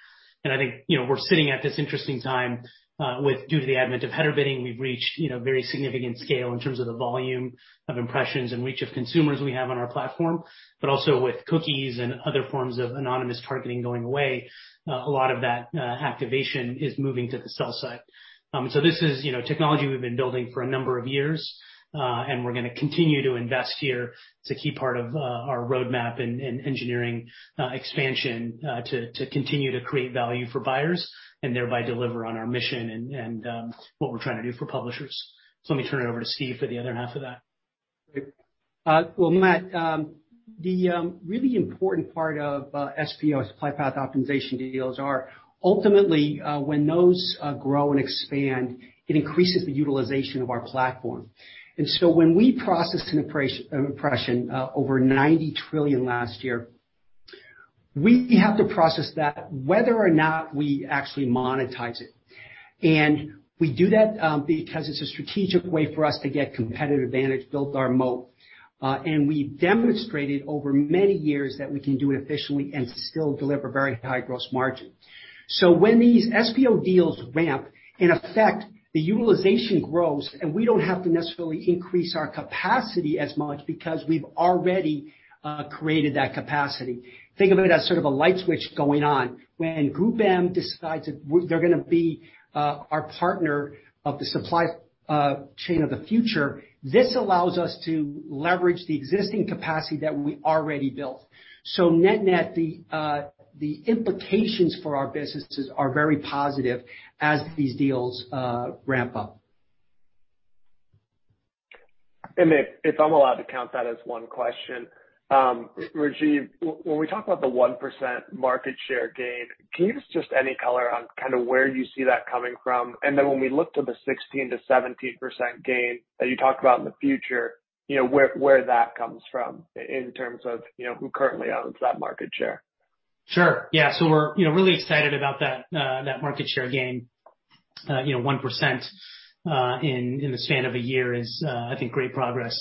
I think, you know, we're sitting at this interesting time, with due to the advent of header bidding, we've reached, you know, very significant scale in terms of the volume of impressions and reach of consumers we have on our platform. Also with cookies and other forms of anonymous targeting going away, a lot of that activation is moving to the sell side. This is, you know, technology we've been building for a number of years, and we're gonna continue to invest here. It's a key part of our roadmap and engineering expansion to continue to create value for buyers and thereby deliver on our mission and what we're trying to do for publishers. Let me turn it over to Steve for the other half of that. Great. Well, Matt, the really important part of SPO, supply path optimization deals are ultimately when those grow and expand, it increases the utilization of our platform. When we process an impression over 90 trillion last year, we have to process that whether or not we actually monetize it. We do that because it's a strategic way for us to get competitive advantage, build our moat. We demonstrated over many years that we can do it efficiently and still deliver very high gross margin. When these SPO deals ramp, in effect, the utilization grows, and we don't have to necessarily increase our capacity as much because we've already created that capacity. Think of it as sort of a light switch going on. When GroupM decides that they're gonna be our partner of the supply chain of the future, this allows us to leverage the existing capacity that we already built. Net-net, the implications for our businesses are very positive as these deals ramp up. If I'm allowed to count that as one question, Rajeev, when we talk about the 1% market share gain, can you give us just any color on kind of where you see that coming from? Then when we look to the 16%-17% gain that you talked about in the future, you know, where that comes from in terms of, you know, who currently owns that market share? Sure. Yeah, we're, you know, really excited about that market share gain. You know, 1% in the span of a year is, I think, great progress.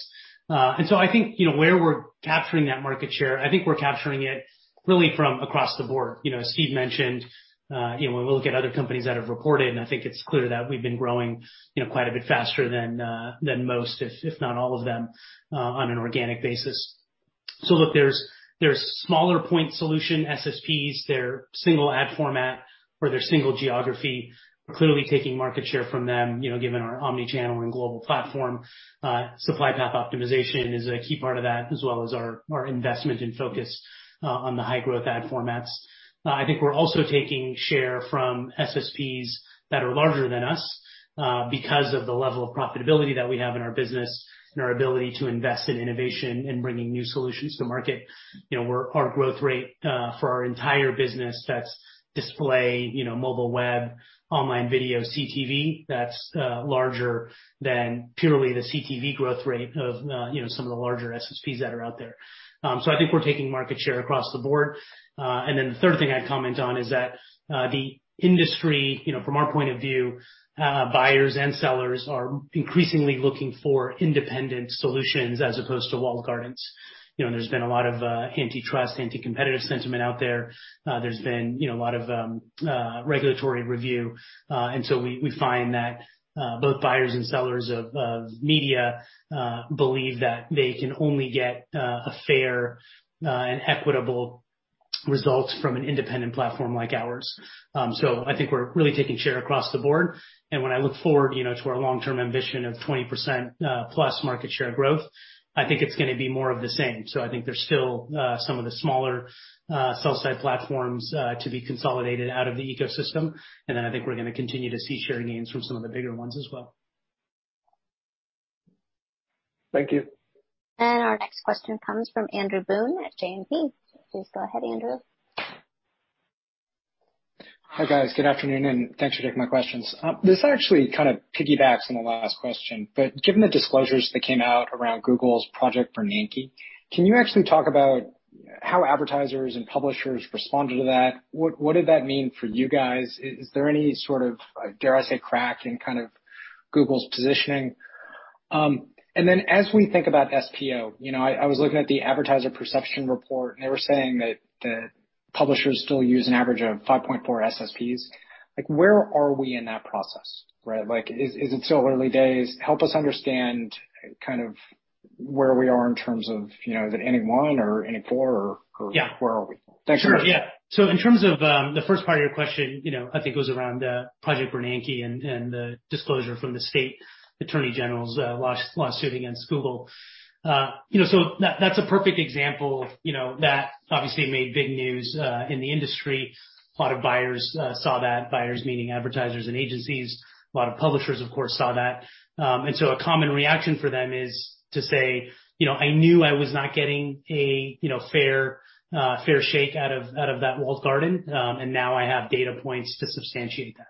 I think, you know, where we're capturing that market share, I think we're capturing it really from across the board. You know, as Steve mentioned, you know, when we look at other companies that have reported, and I think it's clear that we've been growing, you know, quite a bit faster than most, if not all of them, on an organic basis. Look, there's smaller point solution SSPs, they're single ad format or they're single geography. We're clearly taking market share from them, you know, given our omni-channel and global platform. Supply path optimization is a key part of that, as well as our investment and focus on the high growth ad formats. I think we're also taking share from SSPs that are larger than us because of the level of profitability that we have in our business and our ability to invest in innovation and bringing new solutions to market. You know, our growth rate for our entire business, that's display, you know, mobile web, online video, CTV, that's larger than purely the CTV growth rate of you know, some of the larger SSPs that are out there. I think we're taking market share across the board. The third thing I'd comment on is that the industry, you know, from our point of view, buyers and sellers are increasingly looking for independent solutions as opposed to walled gardens. You know, there's been a lot of antitrust, anti-competitive sentiment out there. There's been, you know, a lot of regulatory review. We find that both buyers and sellers of media believe that they can only get a fair and equitable results from an independent platform like ours. I think we're really taking share across the board. When I look forward, you know, to our long-term ambition of 20+ market share growth, I think it's gonna be more of the same. I think there's still some of the smaller sell-side platforms to be consolidated out of the ecosystem. I think we're gonna continue to see share gains from some of the bigger ones as well. Thank you. Our next question comes from Andrew Boone at JMP. Please go ahead, Andrew. Hi, guys. Good afternoon, and thanks for taking my questions. This actually kind of piggybacks on the last question, but given the disclosures that came out around Google's Project Bernanke, can you actually talk about how advertisers and publishers responded to that? What did that mean for you guys? Is there any sort of, dare I say, crack in kind of Google's positioning? And then as we think about SPO, you know, I was looking at the Advertiser Perceptions report, and they were saying that the publishers still use an average of 5.4 SSPs. Like, where are we in that process, right? Like, is it still early days? Help us understand kind of where we are in terms of, you know, is it any one or any four or where are we? Thanks so much. Sure. Yeah. In terms of the first part of your question, you know, I think it was around Project Bernanke and the disclosure from the state attorney general's lawsuit against Google. You know, that's a perfect example. You know, that obviously made big news in the industry. A lot of buyers saw that, buyers meaning advertisers and agencies. A lot of publishers, of course, saw that. A common reaction for them is to say, you know, "I knew I was not getting a, you know, fair shake out of that walled garden, and now I have data points to substantiate that."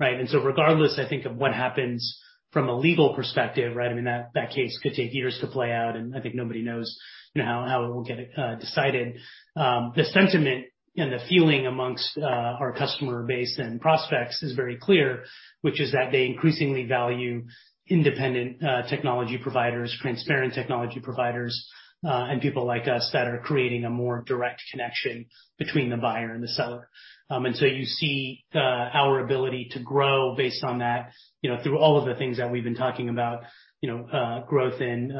Right? Regardless, I think of what happens from a legal perspective, right, I mean, that case could take years to play out, and I think nobody knows, you know, how it will get decided. The sentiment and the feeling among our customer base and prospects is very clear, which is that they increasingly value independent technology providers, transparent technology providers, and people like us that are creating a more direct connection between the buyer and the seller. You see our ability to grow based on that, you know, through all of the things that we've been talking about, you know, growth in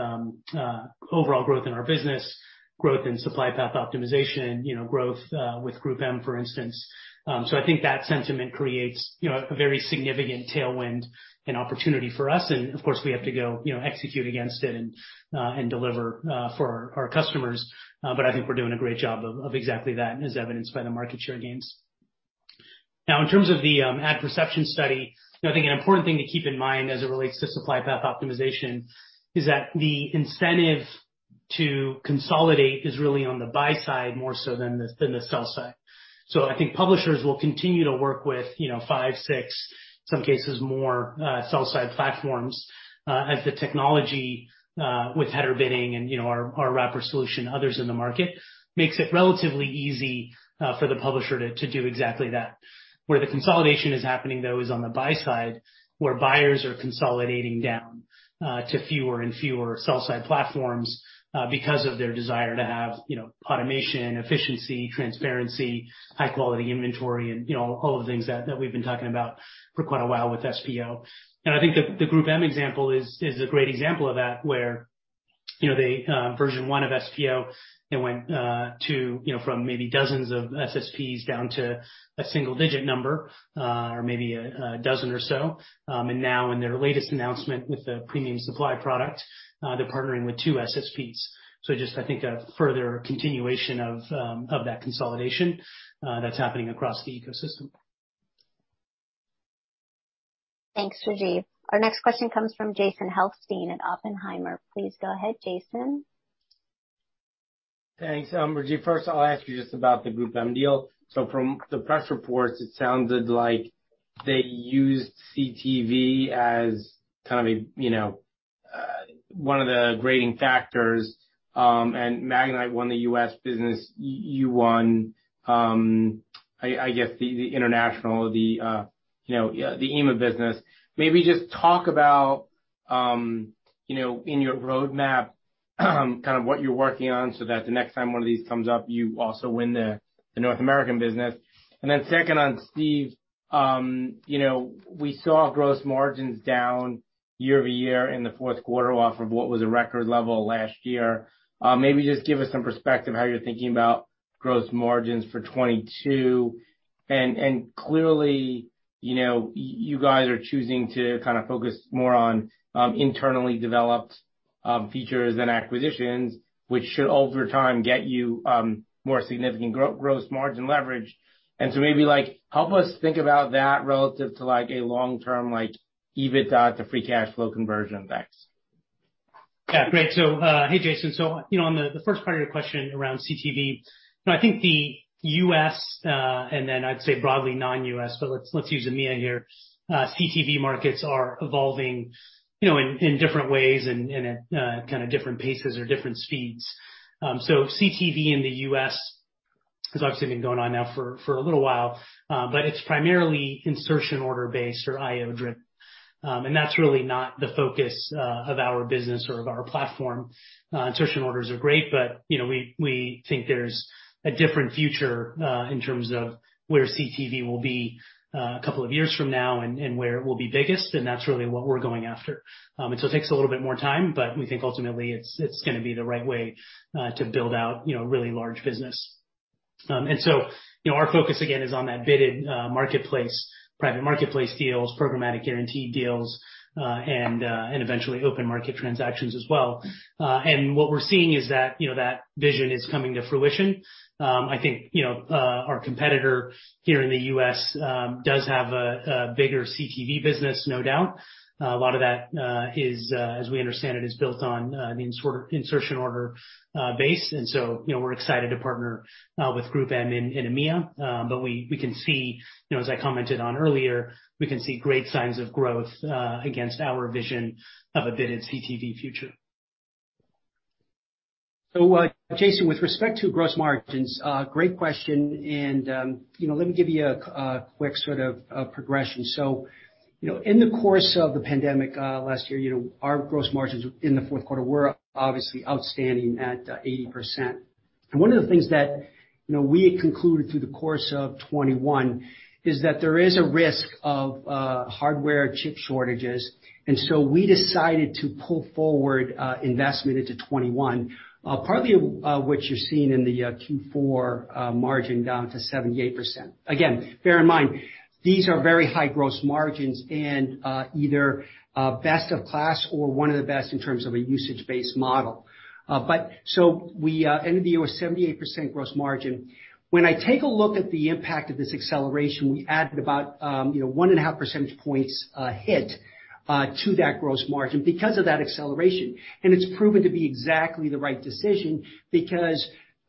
overall growth in our business, growth in supply path optimization, you know, growth with GroupM, for instance. I think that sentiment creates, you know, a very significant tailwind and opportunity for us. Of course, we have to go, you know, execute against it and deliver for our customers. I think we're doing a great job of exactly that, and as evidenced by the market share gains. Now, in terms of the Advertiser Perceptions study, you know, I think an important thing to keep in mind as it relates to supply path optimization is that the incentive to consolidate is really on the buy side more so than the sell side. I think publishers will continue to work with, you know, five, six, some cases more, sell-side platforms, as the technology, with header bidding and, you know, our wrapper solution, others in the market, makes it relatively easy, for the publisher to do exactly that. Where the consolidation is happening, though, is on the buy side, where buyers are consolidating down, to fewer and fewer sell-side platforms, because of their desire to have, you know, automation, efficiency, transparency, high quality inventory and, you know, all of the things that we've been talking about for quite a while with SPO. I think the GroupM example is a great example of that, where you know they version 1 of SPO, it went from maybe dozens of SSPs down to a single-digit number or maybe a 12 or so. Now in their latest announcement with the premium supply product, they're partnering with 2 SSPs. I just think a further continuation of that consolidation that's happening across the ecosystem. Thanks, Rajiv. Our next question comes from Jason Helfstein at Oppenheimer. Please go ahead, Jason. Thanks. Rajeev, first I'll ask you just about the GroupM deal. From the press reports, it sounded like they used CTV as kind of a one of the grading factors and Magnite won the U.S. business. You won, I guess the international, you know, the EMEA business. Maybe just talk about, you know, in your roadmap, kind of what you're working on so that the next time one of these comes up, you also win the North American business. Second on Steve, you know, we saw gross margins down year-over-year in the fourth quarter off of what was a record level last year. Maybe just give us some perspective how you're thinking about gross margins for 2022. Clearly, you know, you guys are choosing to kind of focus more on internally developed features and acquisitions, which should, over time, get you more significant gross margin leverage. Maybe, like, help us think about that relative to, like, a long term, like, EBITDA to free cash flow conversion effects. Yeah. Great. Hey, Jason. You know, on the first part of your question around CTV, you know, I think the U.S., and then I'd say broadly non-U.S., but let's use EMEA here. CTV markets are evolving, you know, in different ways and at kind of different paces or different speeds. CTV in the U.S. has obviously been going on now for a little while, but it's primarily insertion order based or IO driven. And that's really not the focus of our business or of our platform. Insertion orders are great, but you know, we think there's a different future in terms of where CTV will be a couple of years from now and where it will be biggest, and that's really what we're going after. It takes a little bit more time, but we think ultimately it's gonna be the right way to build out, you know, a really large business. Our focus again is on that bid-based marketplace, private marketplace deals, Programmatic Guaranteed deals, and eventually open market transactions as well. What we're seeing is that, you know, that vision is coming to fruition. I think, you know, our competitor here in the U.S. does have a bigger CTV business, no doubt. A lot of that is, as we understand it, built on, I mean, sort of insertion order basis. We're excited to partner with GroupM in EMEA.We can see, you know, as I commented on earlier, we can see great signs of growth against our vision of a bidded CTV future. Jason, with respect to gross margins, great question, and, you know, let me give you a quick sort of progression. You know, in the course of the pandemic, last year, you know, our gross margins in the fourth quarter were obviously outstanding at 80%. One of the things that, you know, we had concluded through the course of 2021 is that there is a risk of hardware chip shortages. We decided to pull forward investment into 2021, partly of what you're seeing in the Q4 margin down to 78%. Again, bear in mind, these are very high gross margins and, either, best of class or one of the best in terms of a usage-based model. We ended the year with 78% gross margin. When I take a look at the impact of this acceleration, we added about, you know, 1.5 percentage points hit to that gross margin because of that acceleration. It's proven to be exactly the right decision because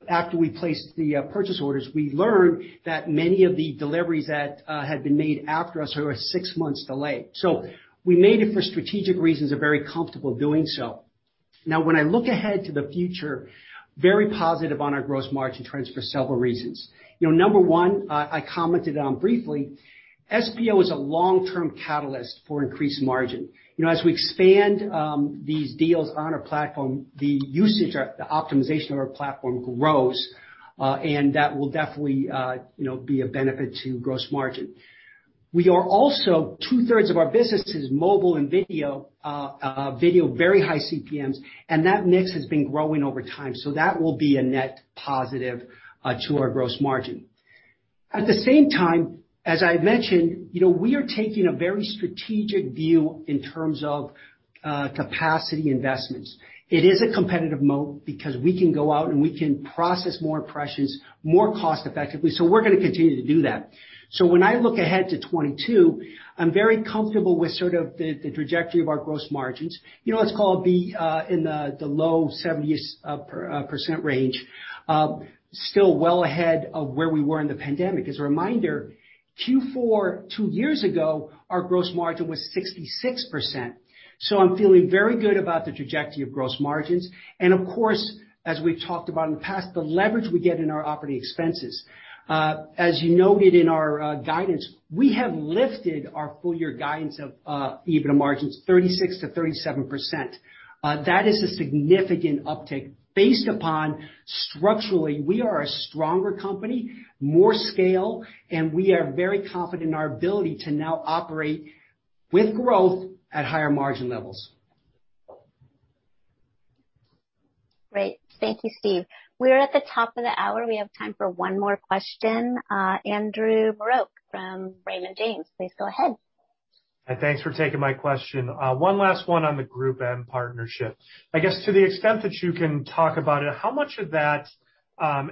after we placed the purchase orders, we learned that many of the deliveries that had been made after us are six months delayed. We made it for strategic reasons, are very comfortable doing so. Now when I look ahead to the future, I'm very positive on our gross margin trends for several reasons. You know, number one, I commented on briefly, SPO is a long-term catalyst for increased margin. You know, as we expand these deals on our platform, the usage or the optimization of our platform grows, and that will definitely, you know, be a benefit to gross margin. We are also 2/3 of our business is mobile and video. Video, very high CPMs, and that mix has been growing over time, so that will be a net positive to our gross margin. At the same time, as I mentioned, you know, we are taking a very strategic view in terms of capacity investments. It is a competitive moat because we can go out and we can process more impressions more cost effectively, so we're gonna continue to do that. When I look ahead to 2022, I'm very comfortable with sort of the trajectory of our gross margins. You know, let's call it in the low 70s% range, still well ahead of where we were in the pandemic. As a reminder, Q4 two years ago, our gross margin was 66%. I'm feeling very good about the trajectory of gross margins. Of course, as we've talked about in the past, the leverage we get in our operating expenses. As you noted in our guidance, we have lifted our full-year guidance of EBITDA margins 36%-37%. That is a significant uptick based upon structurally, we are a stronger company, more scale, and we are very confident in our ability to now operate with growth at higher margin levels. Great. Thank you, Steve. We are at the top of the hour. We have time for one more question. Andrew Marok from Raymond James, please go ahead. Thanks for taking my question. One last one on the GroupM partnership. I guess to the extent that you can talk about it, how much of that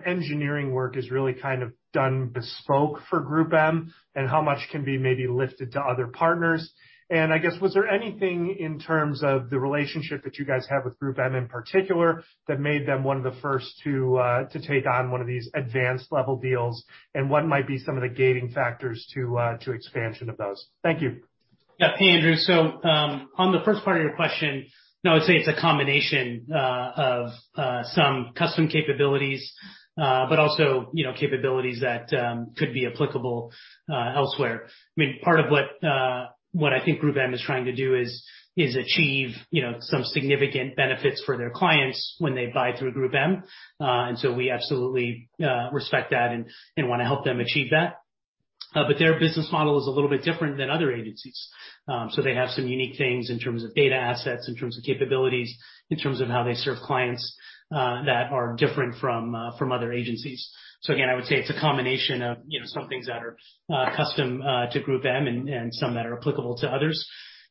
engineering work is really kind of done bespoke for GroupM? And how much can be maybe lifted to other partners? And I guess, was there anything in terms of the relationship that you guys have with GroupM in particular that made them one of the first to take on one of these advanced level deals? And what might be some of the gating factors to expansion of those? Thank you. Yeah. Hey, Andrew. On the first part of your question, no, I'd say it's a combination of some custom capabilities, but also, you know, capabilities that could be applicable elsewhere. I mean, part of what I think GroupM is trying to do is achieve, you know, some significant benefits for their clients when they buy through GroupM. We absolutely respect that and wanna help them achieve that. Their business model is a little bit different than other agencies. They have some unique things in terms of data assets, in terms of capabilities, in terms of how they serve clients, that are different from other agencies. Again, I would say it's a combination of, you know, some things that are custom to GroupM and some that are applicable to others.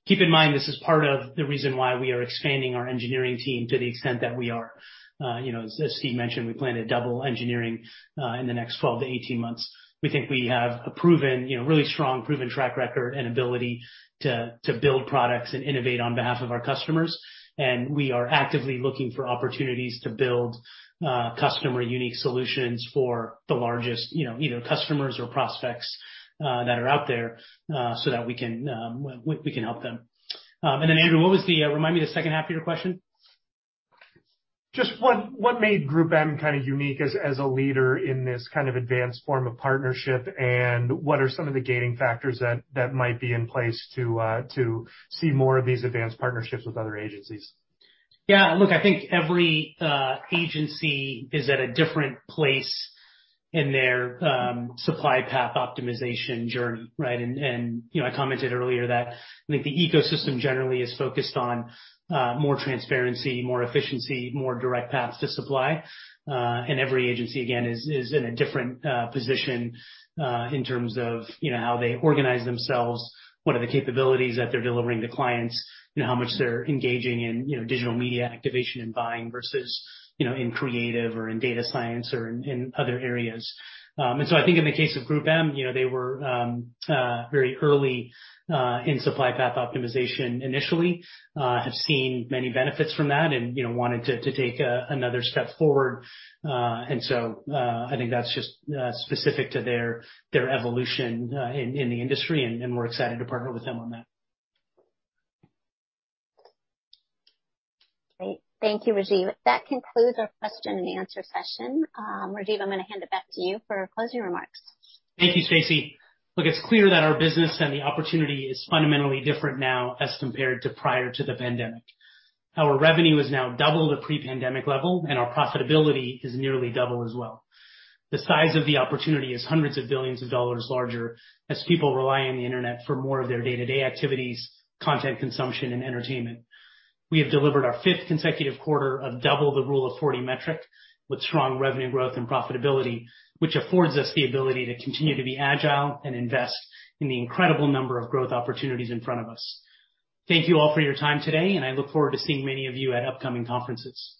Keep in mind, this is part of the reason why we are expanding our engineering team to the extent that we are. You know, as Steve mentioned, we plan to double engineering in the next 12-18 months. We think we have a proven, you know, really strong proven track record and ability to build products and innovate on behalf of our customers. We are actively looking for opportunities to build customer unique solutions for the largest, you know, either customers or prospects that are out there so that we can help them. Then Andrew, remind me, what was the second half of your question? Just what made GroupM kind of unique as a leader in this kind of advanced form of partnership? What are some of the gating factors that might be in place to see more of these advanced partnerships with other agencies? Yeah. Look, I think every agency is at a different place in their supply path optimization journey, right? You know, I commented earlier that I think the ecosystem generally is focused on more transparency, more efficiency, more direct paths to supply. Every agency, again, is in a different position in terms of you know, how they organize themselves, what are the capabilities that they're delivering to clients and how much they're engaging in you know, digital media activation and buying versus you know, in creative or in data science or in other areas. I think in the case of GroupM, you know, they were very early in supply path optimization initially, have seen many benefits from that and you know, wanted to take another step forward. I think that's just specific to their evolution in the industry, and we're excited to partner with them on that. Great. Thank you, Rajeev. That concludes our question and answer session. Rajeev, I'm gonna hand it back to you for closing remarks. Thank you, Stacie. Look, it's clear that our business and the opportunity is fundamentally different now as compared to prior to the pandemic. Our revenue is now double the pre-pandemic level, and our profitability is nearly double as well. The size of the opportunity is hundreds of billions of dollars larger as people rely on the internet for more of their day-to-day activities, content consumption and entertainment. We have delivered our 15th consecutive quarter of double the Rule of 40 metric with strong revenue growth and profitability, which affords us the ability to continue to be agile and invest in the incredible number of growth opportunities in front of us. Thank you all for your time today, and I look forward to seeing many of you at upcoming conferences.